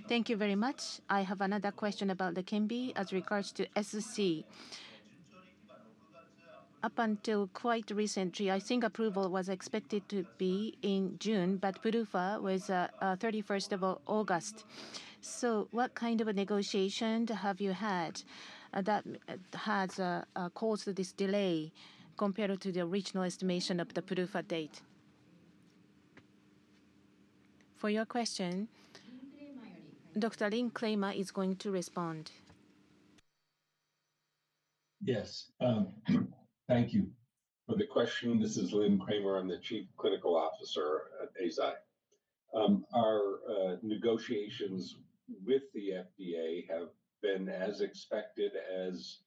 Thank you very much. I have another question about the Leqembi as regards to s.c. Up until quite recently, I think approval was expected to be in June, but PDUFA was 31st of August. So what kind of a negotiation have you had that has caused this delay compared to the original estimation of the PDUFA date? For your question, Dr. Lynn Kramer is going to respond. Yes. Thank you for the question. This is Lynn Kramer. I'm the Chief Clinical Officer at Eisai. Our negotiations with the FDA have been as expected, as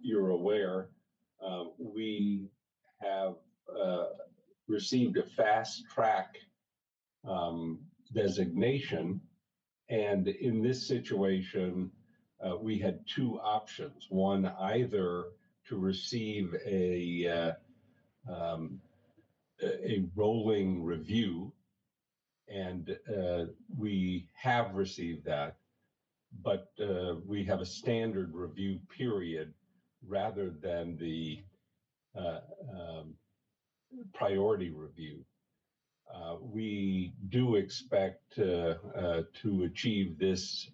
you're aware. We have received a fast-track designation, and in this situation, we had two options. One, either to receive a rolling review, and we have received that, but we have a standard review period rather than the priority review. We do expect to achieve this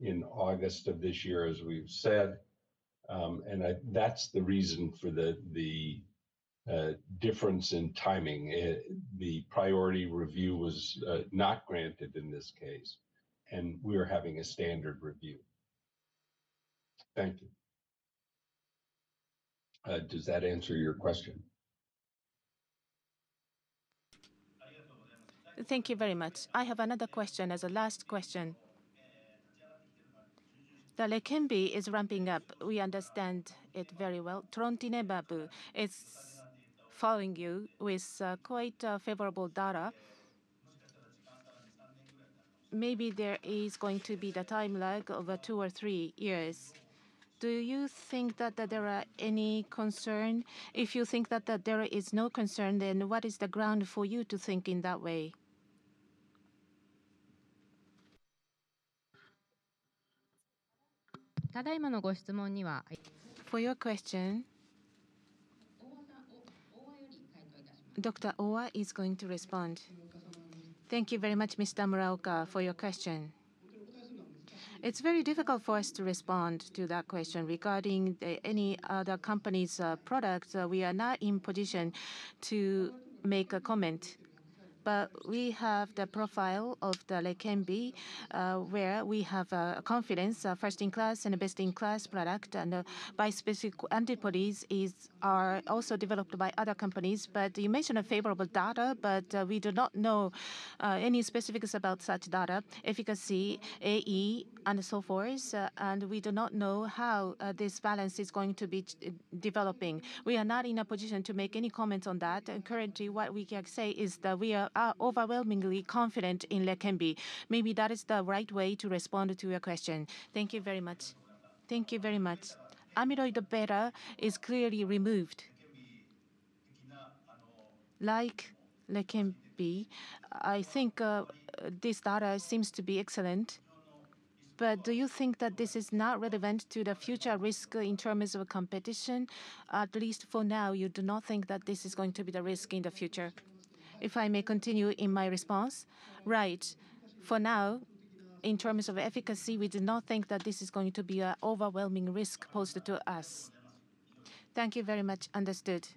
in August of this year, as we've said, and that's the reason for the difference in timing. The priority review was not granted in this case, and we are having a standard review. Thank you. Does that answer your question? Thank you very much. I have another question as a last question. The Leqembi is ramping up. We understand it very well. Trontinemab is following you with quite favorable data. Maybe there is going to be the time lag of two or three years. Do you think that there are any concerns? If you think that there is no concern, then what is the ground for you to think in that way? For your question, Dr. Owa is going to respond. Thank you very much, Mr. Muraoka, for your question. It's very difficult for us to respond to that question regarding any other company's products. We are not in position to make a comment, but we have the profile of the Leqembi where we have confidence, a first-in-class and a best-in-class product, and the bispecific antibodies are also developed by other companies. But you mentioned favorable data, but we do not know any specifics about such data, efficacy, AE, and so forth, and we do not know how this balance is going to be developing. We are not in a position to make any comments on that. Currently, what we can say is that we are overwhelmingly confident in the Leqembi. Maybe that is the right way to respond to your question. Thank you very much. Amyloid beta is clearly removed. Like the Leqembi, I think this data seems to be excellent, but do you think that this is not relevant to the future risk in terms of competition? At least for now, you do not think that this is going to be the risk in the future. If I may continue in my response. Right. For now, in terms of efficacy, we do not think that this is going to be an overwhelming risk posed to us. Thank you very much. Understood.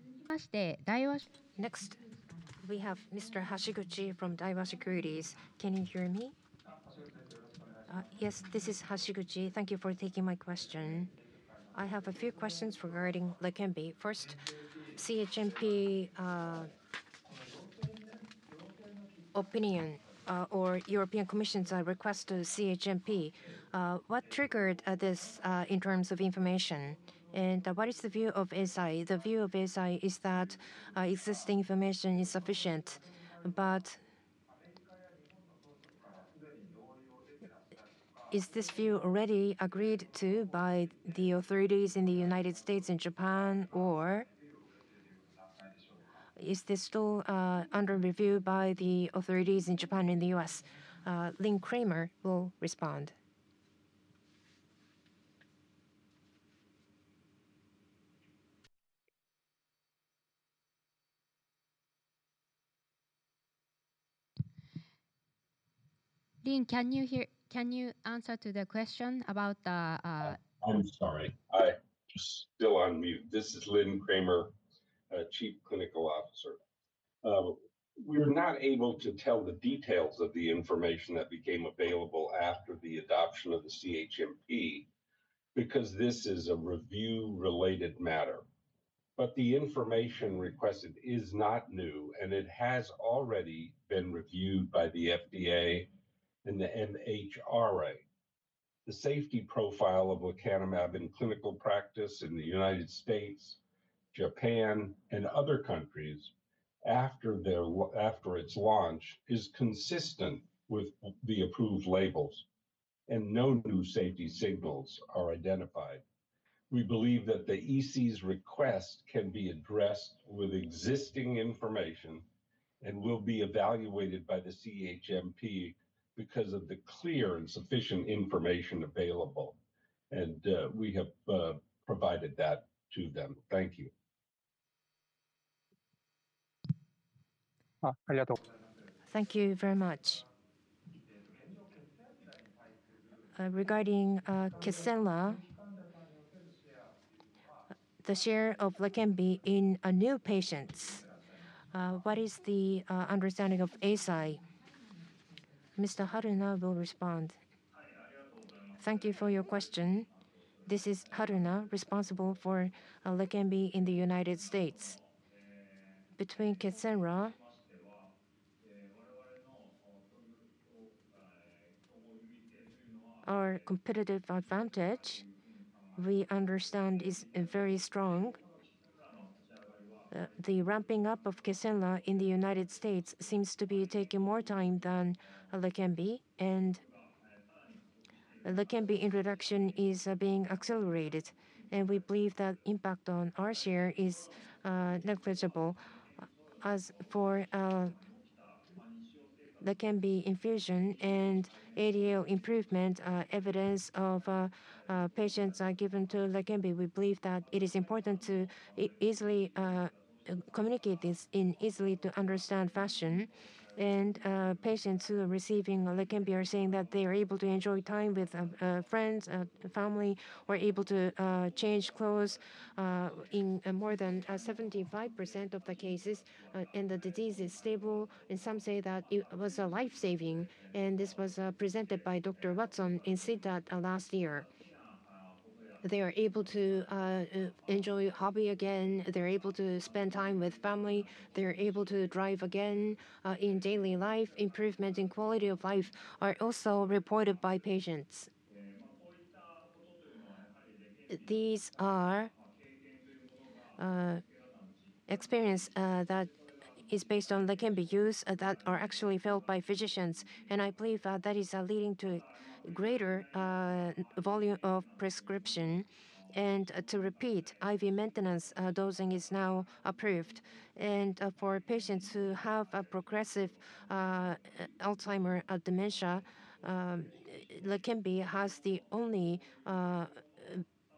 Next, we have Mr. Hashiguchi from Daiwa Securities. Can you hear me? Yes, this is Hashiguchi. Thank you for taking my question. I have a few questions regarding Leqembi. First, CHMP opinion or European Commission's request to CHMP, what triggered this in terms of information? And what is the view of Eisai? The view of Eisai is that existing information is sufficient, but is this view already agreed to by the authorities in the United States and Japan, or is this still under review by the authorities in Japan and the U.S.? Lynn Kramer will respond. Lynn, can you answer to the question about the. I'm sorry. I'm still on mute. This is Lynn Kramer, Chief Clinical Officer. We were not able to tell the details of the information that became available after the adoption of the CHMP because this is a review-related matter. But the information requested is not new, and it has already been reviewed by the FDA and the MHRA. The safety profile of lecanemab in clinical practice in the United States, Japan, and other countries after its launch is consistent with the approved labels, and no new safety signals are identified. We believe that the EC's request can be addressed with existing information and will be evaluated by the CHMP because of the clear and sufficient information available, and we have provided that to them. Thank you. Thank you very much. Regarding Kisunla, the share of lecanemab in new patients, what is the understanding of Eisai? Mr. Haruna will respond. Thank you for your question. This is Haruna, responsible for lecanemab in the United States. Between Kisunla, our competitive advantage we understand is very strong. The ramping up of Kisunla in the United States seems to be taking more time than lecanemab, and lecanemab introduction is being accelerated, and we believe that impact on our share is negligible. As for lecanemab infusion and ADL improvement, evidence of patients given to lecanemab, we believe that it is important to easily communicate this in an easily understandable fashion. Patients who are receiving lecanemab are saying that they are able to enjoy time with friends, family, or are able to change clothes in more than 75% of the cases, and the disease is stable. Some say that it was life-saving, and this was presented by Dr. Swanson in CTAD last year. They are able to enjoy hobby again. They are able to spend time with family. They're able to drive again in daily life. Improvement in quality of life is also reported by patients. These are experiences that are based on lecanemab use that are actually felt by physicians, and I believe that is leading to a greater volume of prescription. To repeat, IV maintenance dosing is now approved. For patients who have progressive Alzheimer's dementia, lecanemab has the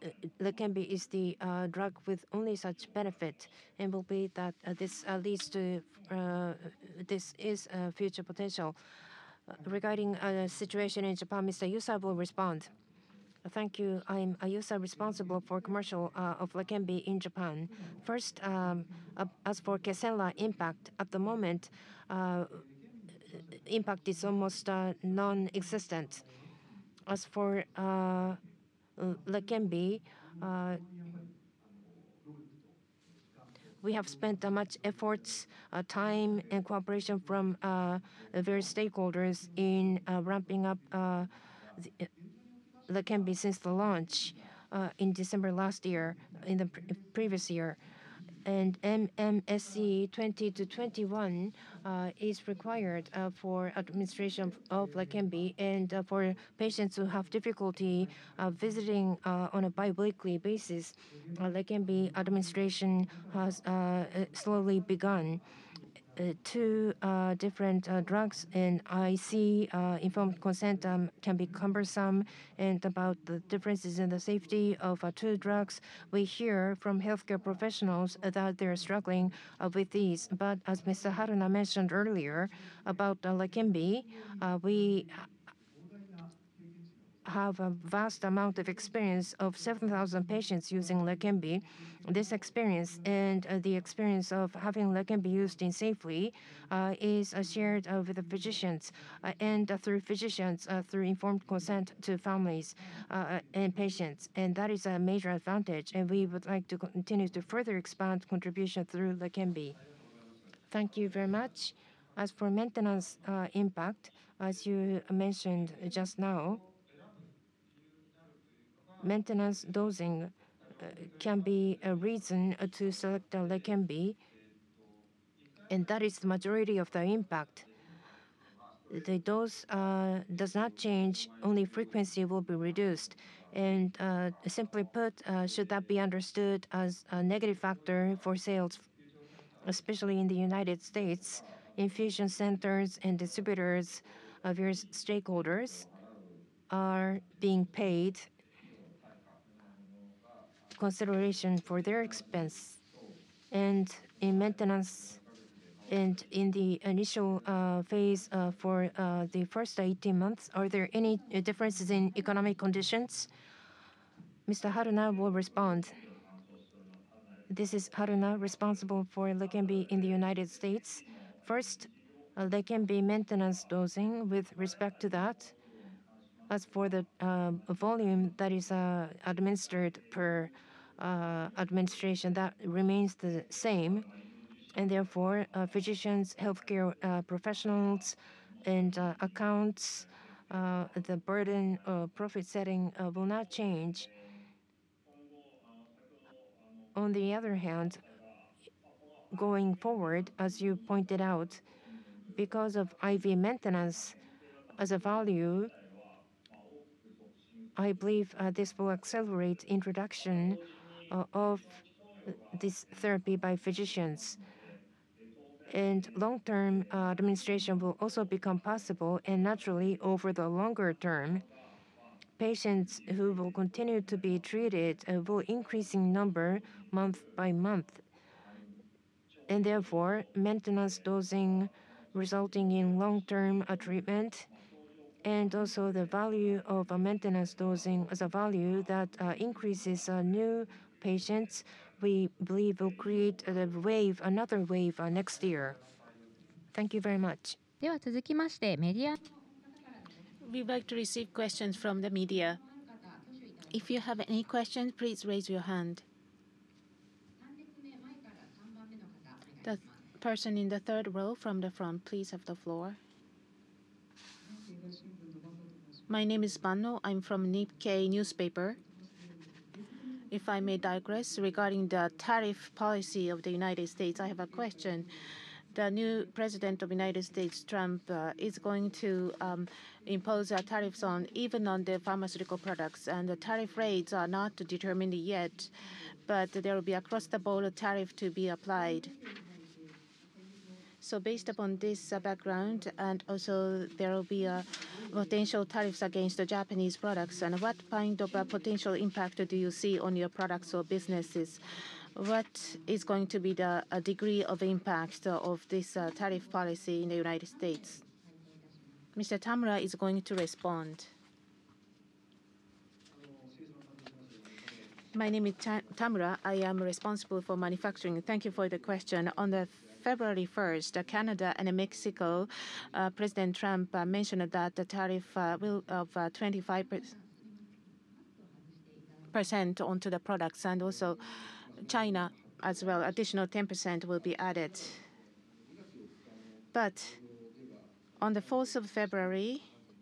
only—lecanemab is the drug with only such benefit, and we believe that this leads to—this is a future potential. Regarding the situation in Japan, Mr. Yusa will respond. Thank you. I'm Yusa, responsible for commercial of lecanemab in Japan. First, as for Kisunla impact, at the moment, impact is almost nonexistent. As for lecanemab, we have spent much effort, time, and cooperation from various stakeholders in ramping up lecanemab since the launch in December last year, in the previous year. MMSE 20-21 is required for administration of lecanemab, and for patients who have difficulty visiting on a biweekly basis, lecanemab administration has slowly begun. Two different drugs, and I see informed consent can be cumbersome. And about the differences in the safety of two drugs, we hear from healthcare professionals that they are struggling with these. But as Mr. Haruna mentioned earlier about lecanemab, we have a vast amount of experience of 7,000 patients using lecanemab. This experience and the experience of having lecanemab used safely is shared with the physicians and through physicians, through informed consent to families and patients. And that is a major advantage, and we would like to continue to further expand contribution through lecanemab. Thank you very much. As for maintenance impact, as you mentioned just now, maintenance dosing can be a reason to select lecanemab, and that is the majority of the impact. The dose does not change. Only frequency will be reduced, and simply put, should that be understood as a negative factor for sales, especially in the United States, infusion centers and distributors, various stakeholders are being paid consideration for their expense. In maintenance and in the initial phase for the first 18 months, are there any differences in economic conditions? Mr. Haruna will respond. This is Haruna, responsible for lecanemab in the United States. First, lecanemab maintenance dosing with respect to that. As for the volume that is administered per administration, that remains the same, and therefore, physicians, healthcare professionals, and accounts, the burden of profit-setting will not change. On the other hand, going forward, as you pointed out, because of IV maintenance as a value, I believe this will accelerate the introduction of this therapy by physicians. And long-term administration will also become possible, and naturally, over the longer term, patients who will continue to be treated will increase in number month by month. And therefore, maintenance dosing resulting in long-term treatment and also the value of maintenance dosing as a value that increases new patients, we believe will create another wave next year. Thank you very much. We'd like to receive questions from the media. If you have any questions, please raise your hand. The person in the third row from the front, please have the floor. My name is Banno. I'm from Nikkei Newspaper. If I may digress regarding the tariff policy of the United States, I have a question. The new president of the United States, Trump, is going to impose a tariffs on even on the pharmaceutical products, and the tariff rates are not determined yet, but there will be a cross-border tariff to be applied. So based upon this background, and also there will be potential tariffs against the Japanese products, what kind of potential impact do you see on your products or businesses? What is going to be the degree of impact of this tariff policy in the United States? Mr. Tamura is going to respond. My name is Tamura. I am responsible for manufacturing. Thank you for the question. On February 1st, Canada and Mexico, President Trump mentioned that the tariff will be 25% onto the products, and also China as well. Additional 10% will be added. But on the 4th of February,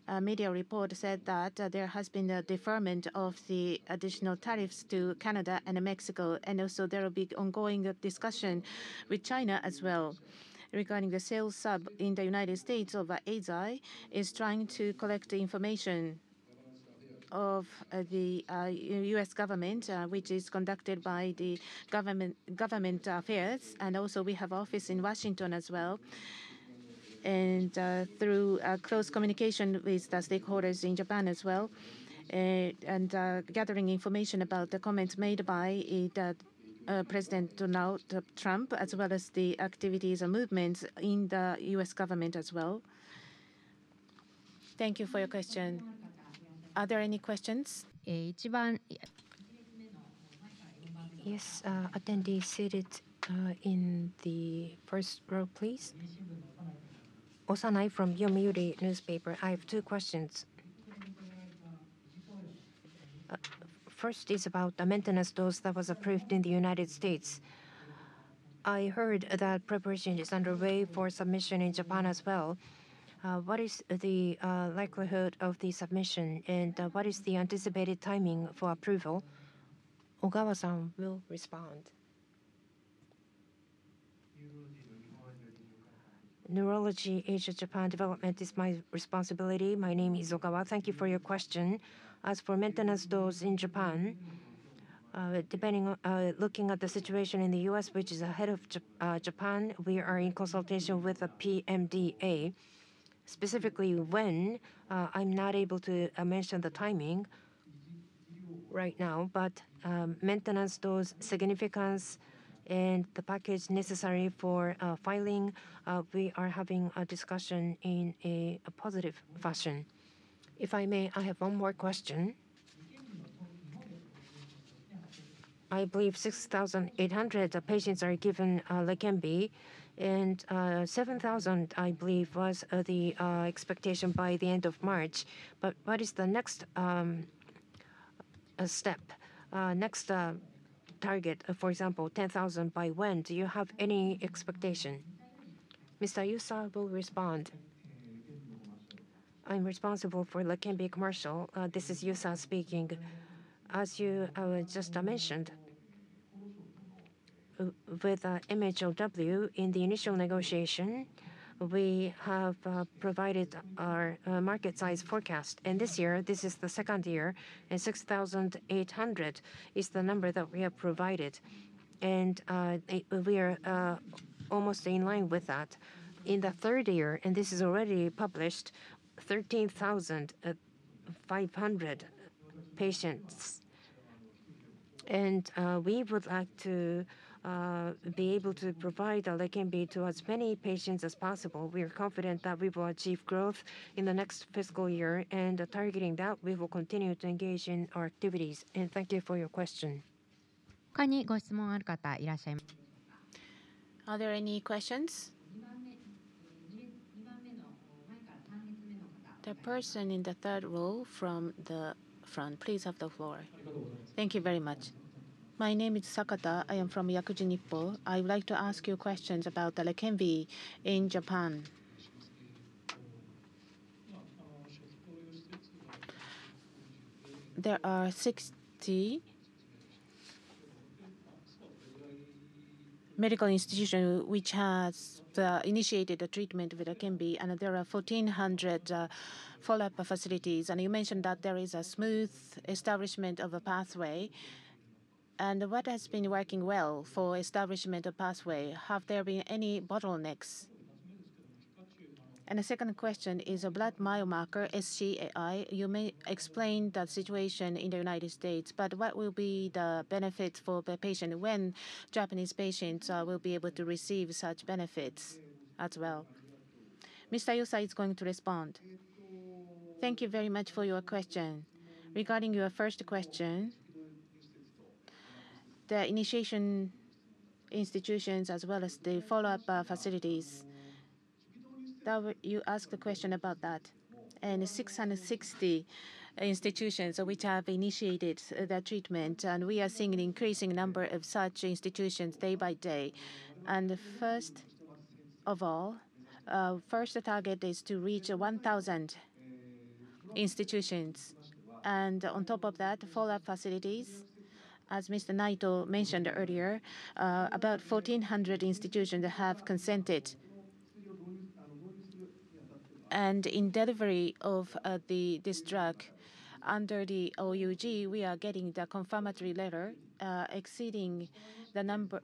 a media report said that there has been a deferment of the additional tariffs to Canada and Mexico, and also there will be ongoing discussion with China as well regarding the sales sub in the United States of Eisai, which is trying to collect information of the U.S. government, which is conducted by the government affairs. And also we have an office in Washington as well, and through close communication with the stakeholders in Japan as well, and gathering information about the comments made by President Donald Trump, as well as the activities and movements in the U.S. government as well. Thank you for your question. Are there any questions? Yes, the attendee in the first row, please. Osanai from Yomiuri Newspaper. I have two questions. First is about the maintenance dose that was approved in the United States. I heard that preparation is underway for submission in Japan as well. What is the likelihood of the submission, and what is the anticipated timing for approval? Ogawa-san will respond. Neurology Japan/Asia Development is my responsibility. My name is Ogawa. Thank you for your question. As for maintenance dose in Japan, looking at the situation in the U.S., which is ahead of Japan, we are in consultation with the PMDA. Specifically when, I'm not able to mention the timing right now, but maintenance dose significance and the package necessary for filing, we are having a discussion in a positive fashion. If I may, I have one more question. I believe 6,800 patients are given lecanemab, and 7,000, I believe, was the expectation by the end of March. But what is the next step, next target, for example, 10,000 by when? Do you have any expectation? Mr. Yusa will respond. I'm responsible for lecanemab commercial. This is Yusa speaking. As you just mentioned, with MHLW in the initial negotiation, we have provided our market size forecast. And this year, this is the second year, and 6,800 is the number that we have provided. And we are almost in line with that. In the third year, and this is already published, 13,500 patients. And we would like to be able to provide lecanemab to as many patients as possible. We are confident that we will achieve growth in the next fiscal year, and targeting that, we will continue to engage in our activities. And thank you for your question. Are there any questions? The person in the third row from the front, please have the floor. Thank you very much. My name is Sakata. I am from Yakuji Nippo. I would like to ask you questions about lecanemab in Japan. There are 60 medical institutions which have initiated the treatment with lecanemab, and there are 1,400 follow-up facilities. And you mentioned that there is a smooth establishment of a pathway. And what has been working well for establishment of pathway? Have there been any bottlenecks? And the second question is a blood biomarker, SC AI. You may explain the situation in the United States, but what will be the benefits for the patient when Japanese patients will be able to receive such benefits as well? Mr. Yusa is going to respond. Thank you very much for your question. Regarding your first question, the initiation institutions as well as the follow-up facilities, you asked a question about that. And 660 institutions which have initiated the treatment, and we are seeing an increasing number of such institutions day by day. And first of all, the first target is to reach 1,000 institutions. And on top of that, follow-up facilities, as Mr. Naito mentioned earlier, about 1,400 institutions have consented. And in delivery of this drug, under the OUG, we are getting the confirmatory letter exceeding the number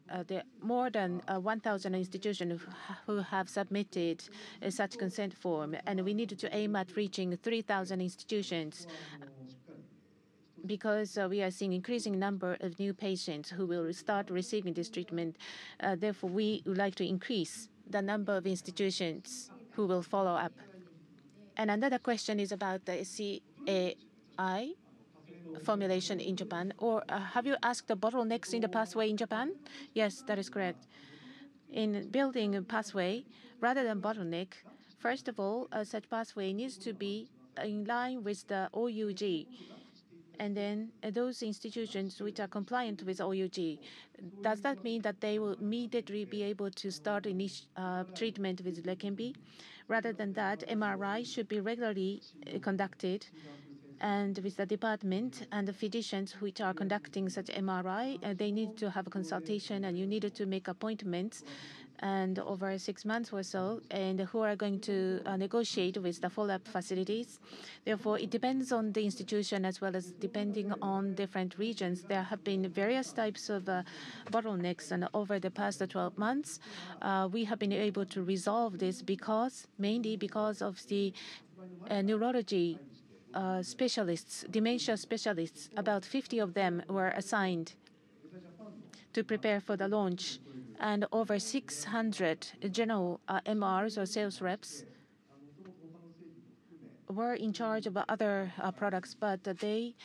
more than 1,000 institutions who have submitted such consent form. And we need to aim at reaching 3,000 institutions because we are seeing an increasing number of new patients who will start receiving this treatment. Therefore, we would like to increase the number of institutions who will follow up. And another question is about the SC AI formulation in Japan. Or have you asked the bottlenecks in the pathway in Japan? Yes, that is correct. In building a pathway, rather than bottleneck, first of all, such pathway needs to be in line with the OUG. And then those institutions which are compliant with OUG, does that mean that they will immediately be able to start treatment with lecanemab? Rather than that, MRI should be regularly conducted. And with the department and the physicians which are conducting such MRI, they need to have a consultation, and you need to make appointments over six months or so, and who are going to negotiate with the follow-up facilities. Therefore, it depends on the institution as well as depending on different regions. There have been various types of bottlenecks, and over the past 12 months, we have been able to resolve this mainly because of the neurology specialists, dementia specialists. About 50 of them were assigned to prepare for the launch. And over 600 general MRs or sales reps were in charge of other products, but they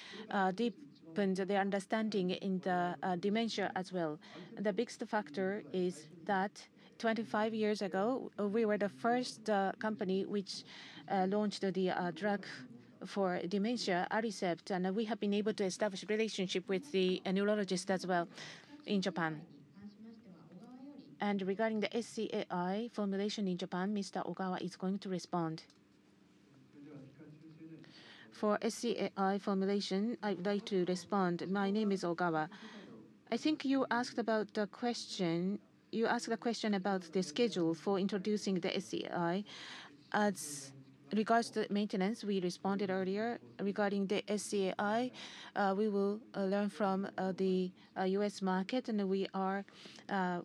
deepened their understanding in the dementia as well. The biggest factor is that 25 years ago, we were the first company which launched the drug for dementia, Aricept, and we have been able to establish a relationship with the neurologist as well in Japan. Regarding the SC AI formulation in Japan, Mr. Ogawa is going to respond. For SC AI formulation, I would like to respond. My name is Ogawa. I think you asked about the question. You asked the question about the schedule for introducing the SC AI. As regards to maintenance, we responded earlier. Regarding the SC AI, we will learn from the US market, and we are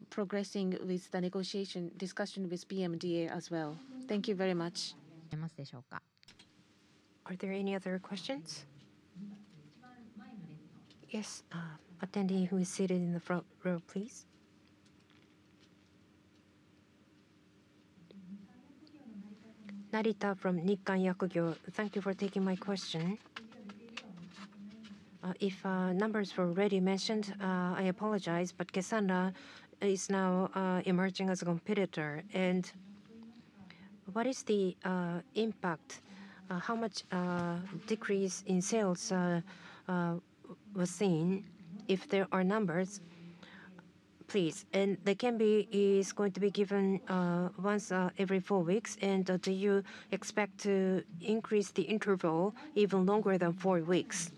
progressing with the negotiation discussion with PMDA as well. Thank you very much. Are there any other questions? Yes, Attendee who is seated in the front row, please. Narita from Nikkan Yakugyo, thank you for taking my question. If numbers were already mentioned, I apologize, but Kisunla is now emerging as a competitor. And what is the impact? How much decrease in sales was seen? If there are numbers, please. And lecanemab is going to be given once every four weeks, and do you expect to increase the interval even longer than four weeks?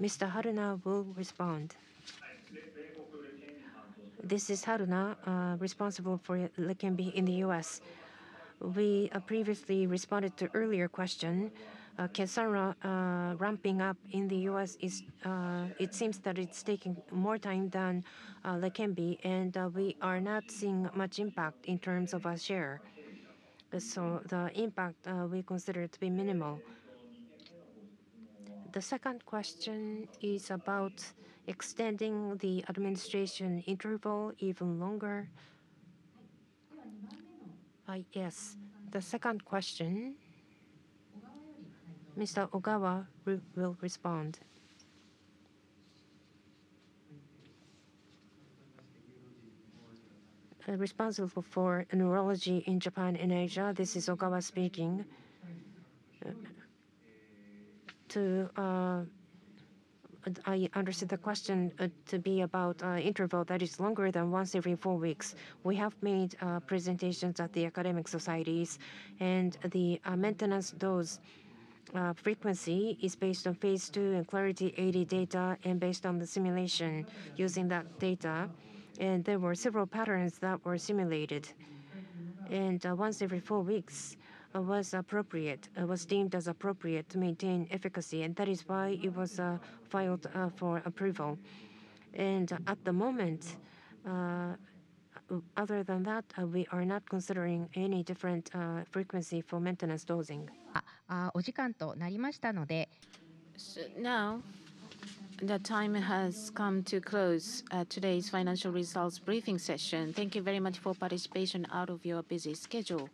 Mr. Haruna will respond. This is Haruna, responsible for lecanemab in the U.S. We previously responded to an earlier question. Kisunla ramping up in the U.S., it seems that it's taking more time than lecanemab, and we are not seeing much impact in terms of our share. So the impact we consider to be minimal. The second question is about extending the administration interval even longer. Yes, the second question. Mr. Ogawa will respond. Responsible for neurology in Japan and Asia, this is Ogawa speaking. I understood the question to be about an interval that is longer than once every four weeks. We have made presentations at the academic societies, and the maintenance dose frequency is based on phase II and Clarity AD data, and based on the simulation using that data. There were several patterns that were simulated. Once every four weeks was appropriate, was deemed as appropriate to maintain efficacy, and that is why it was filed for approval. At the moment, other than that, we are not considering any different frequency for maintenance dosing. Now, the time has come to close today's financial results briefing session. Thank you very much for participation out of your busy schedule.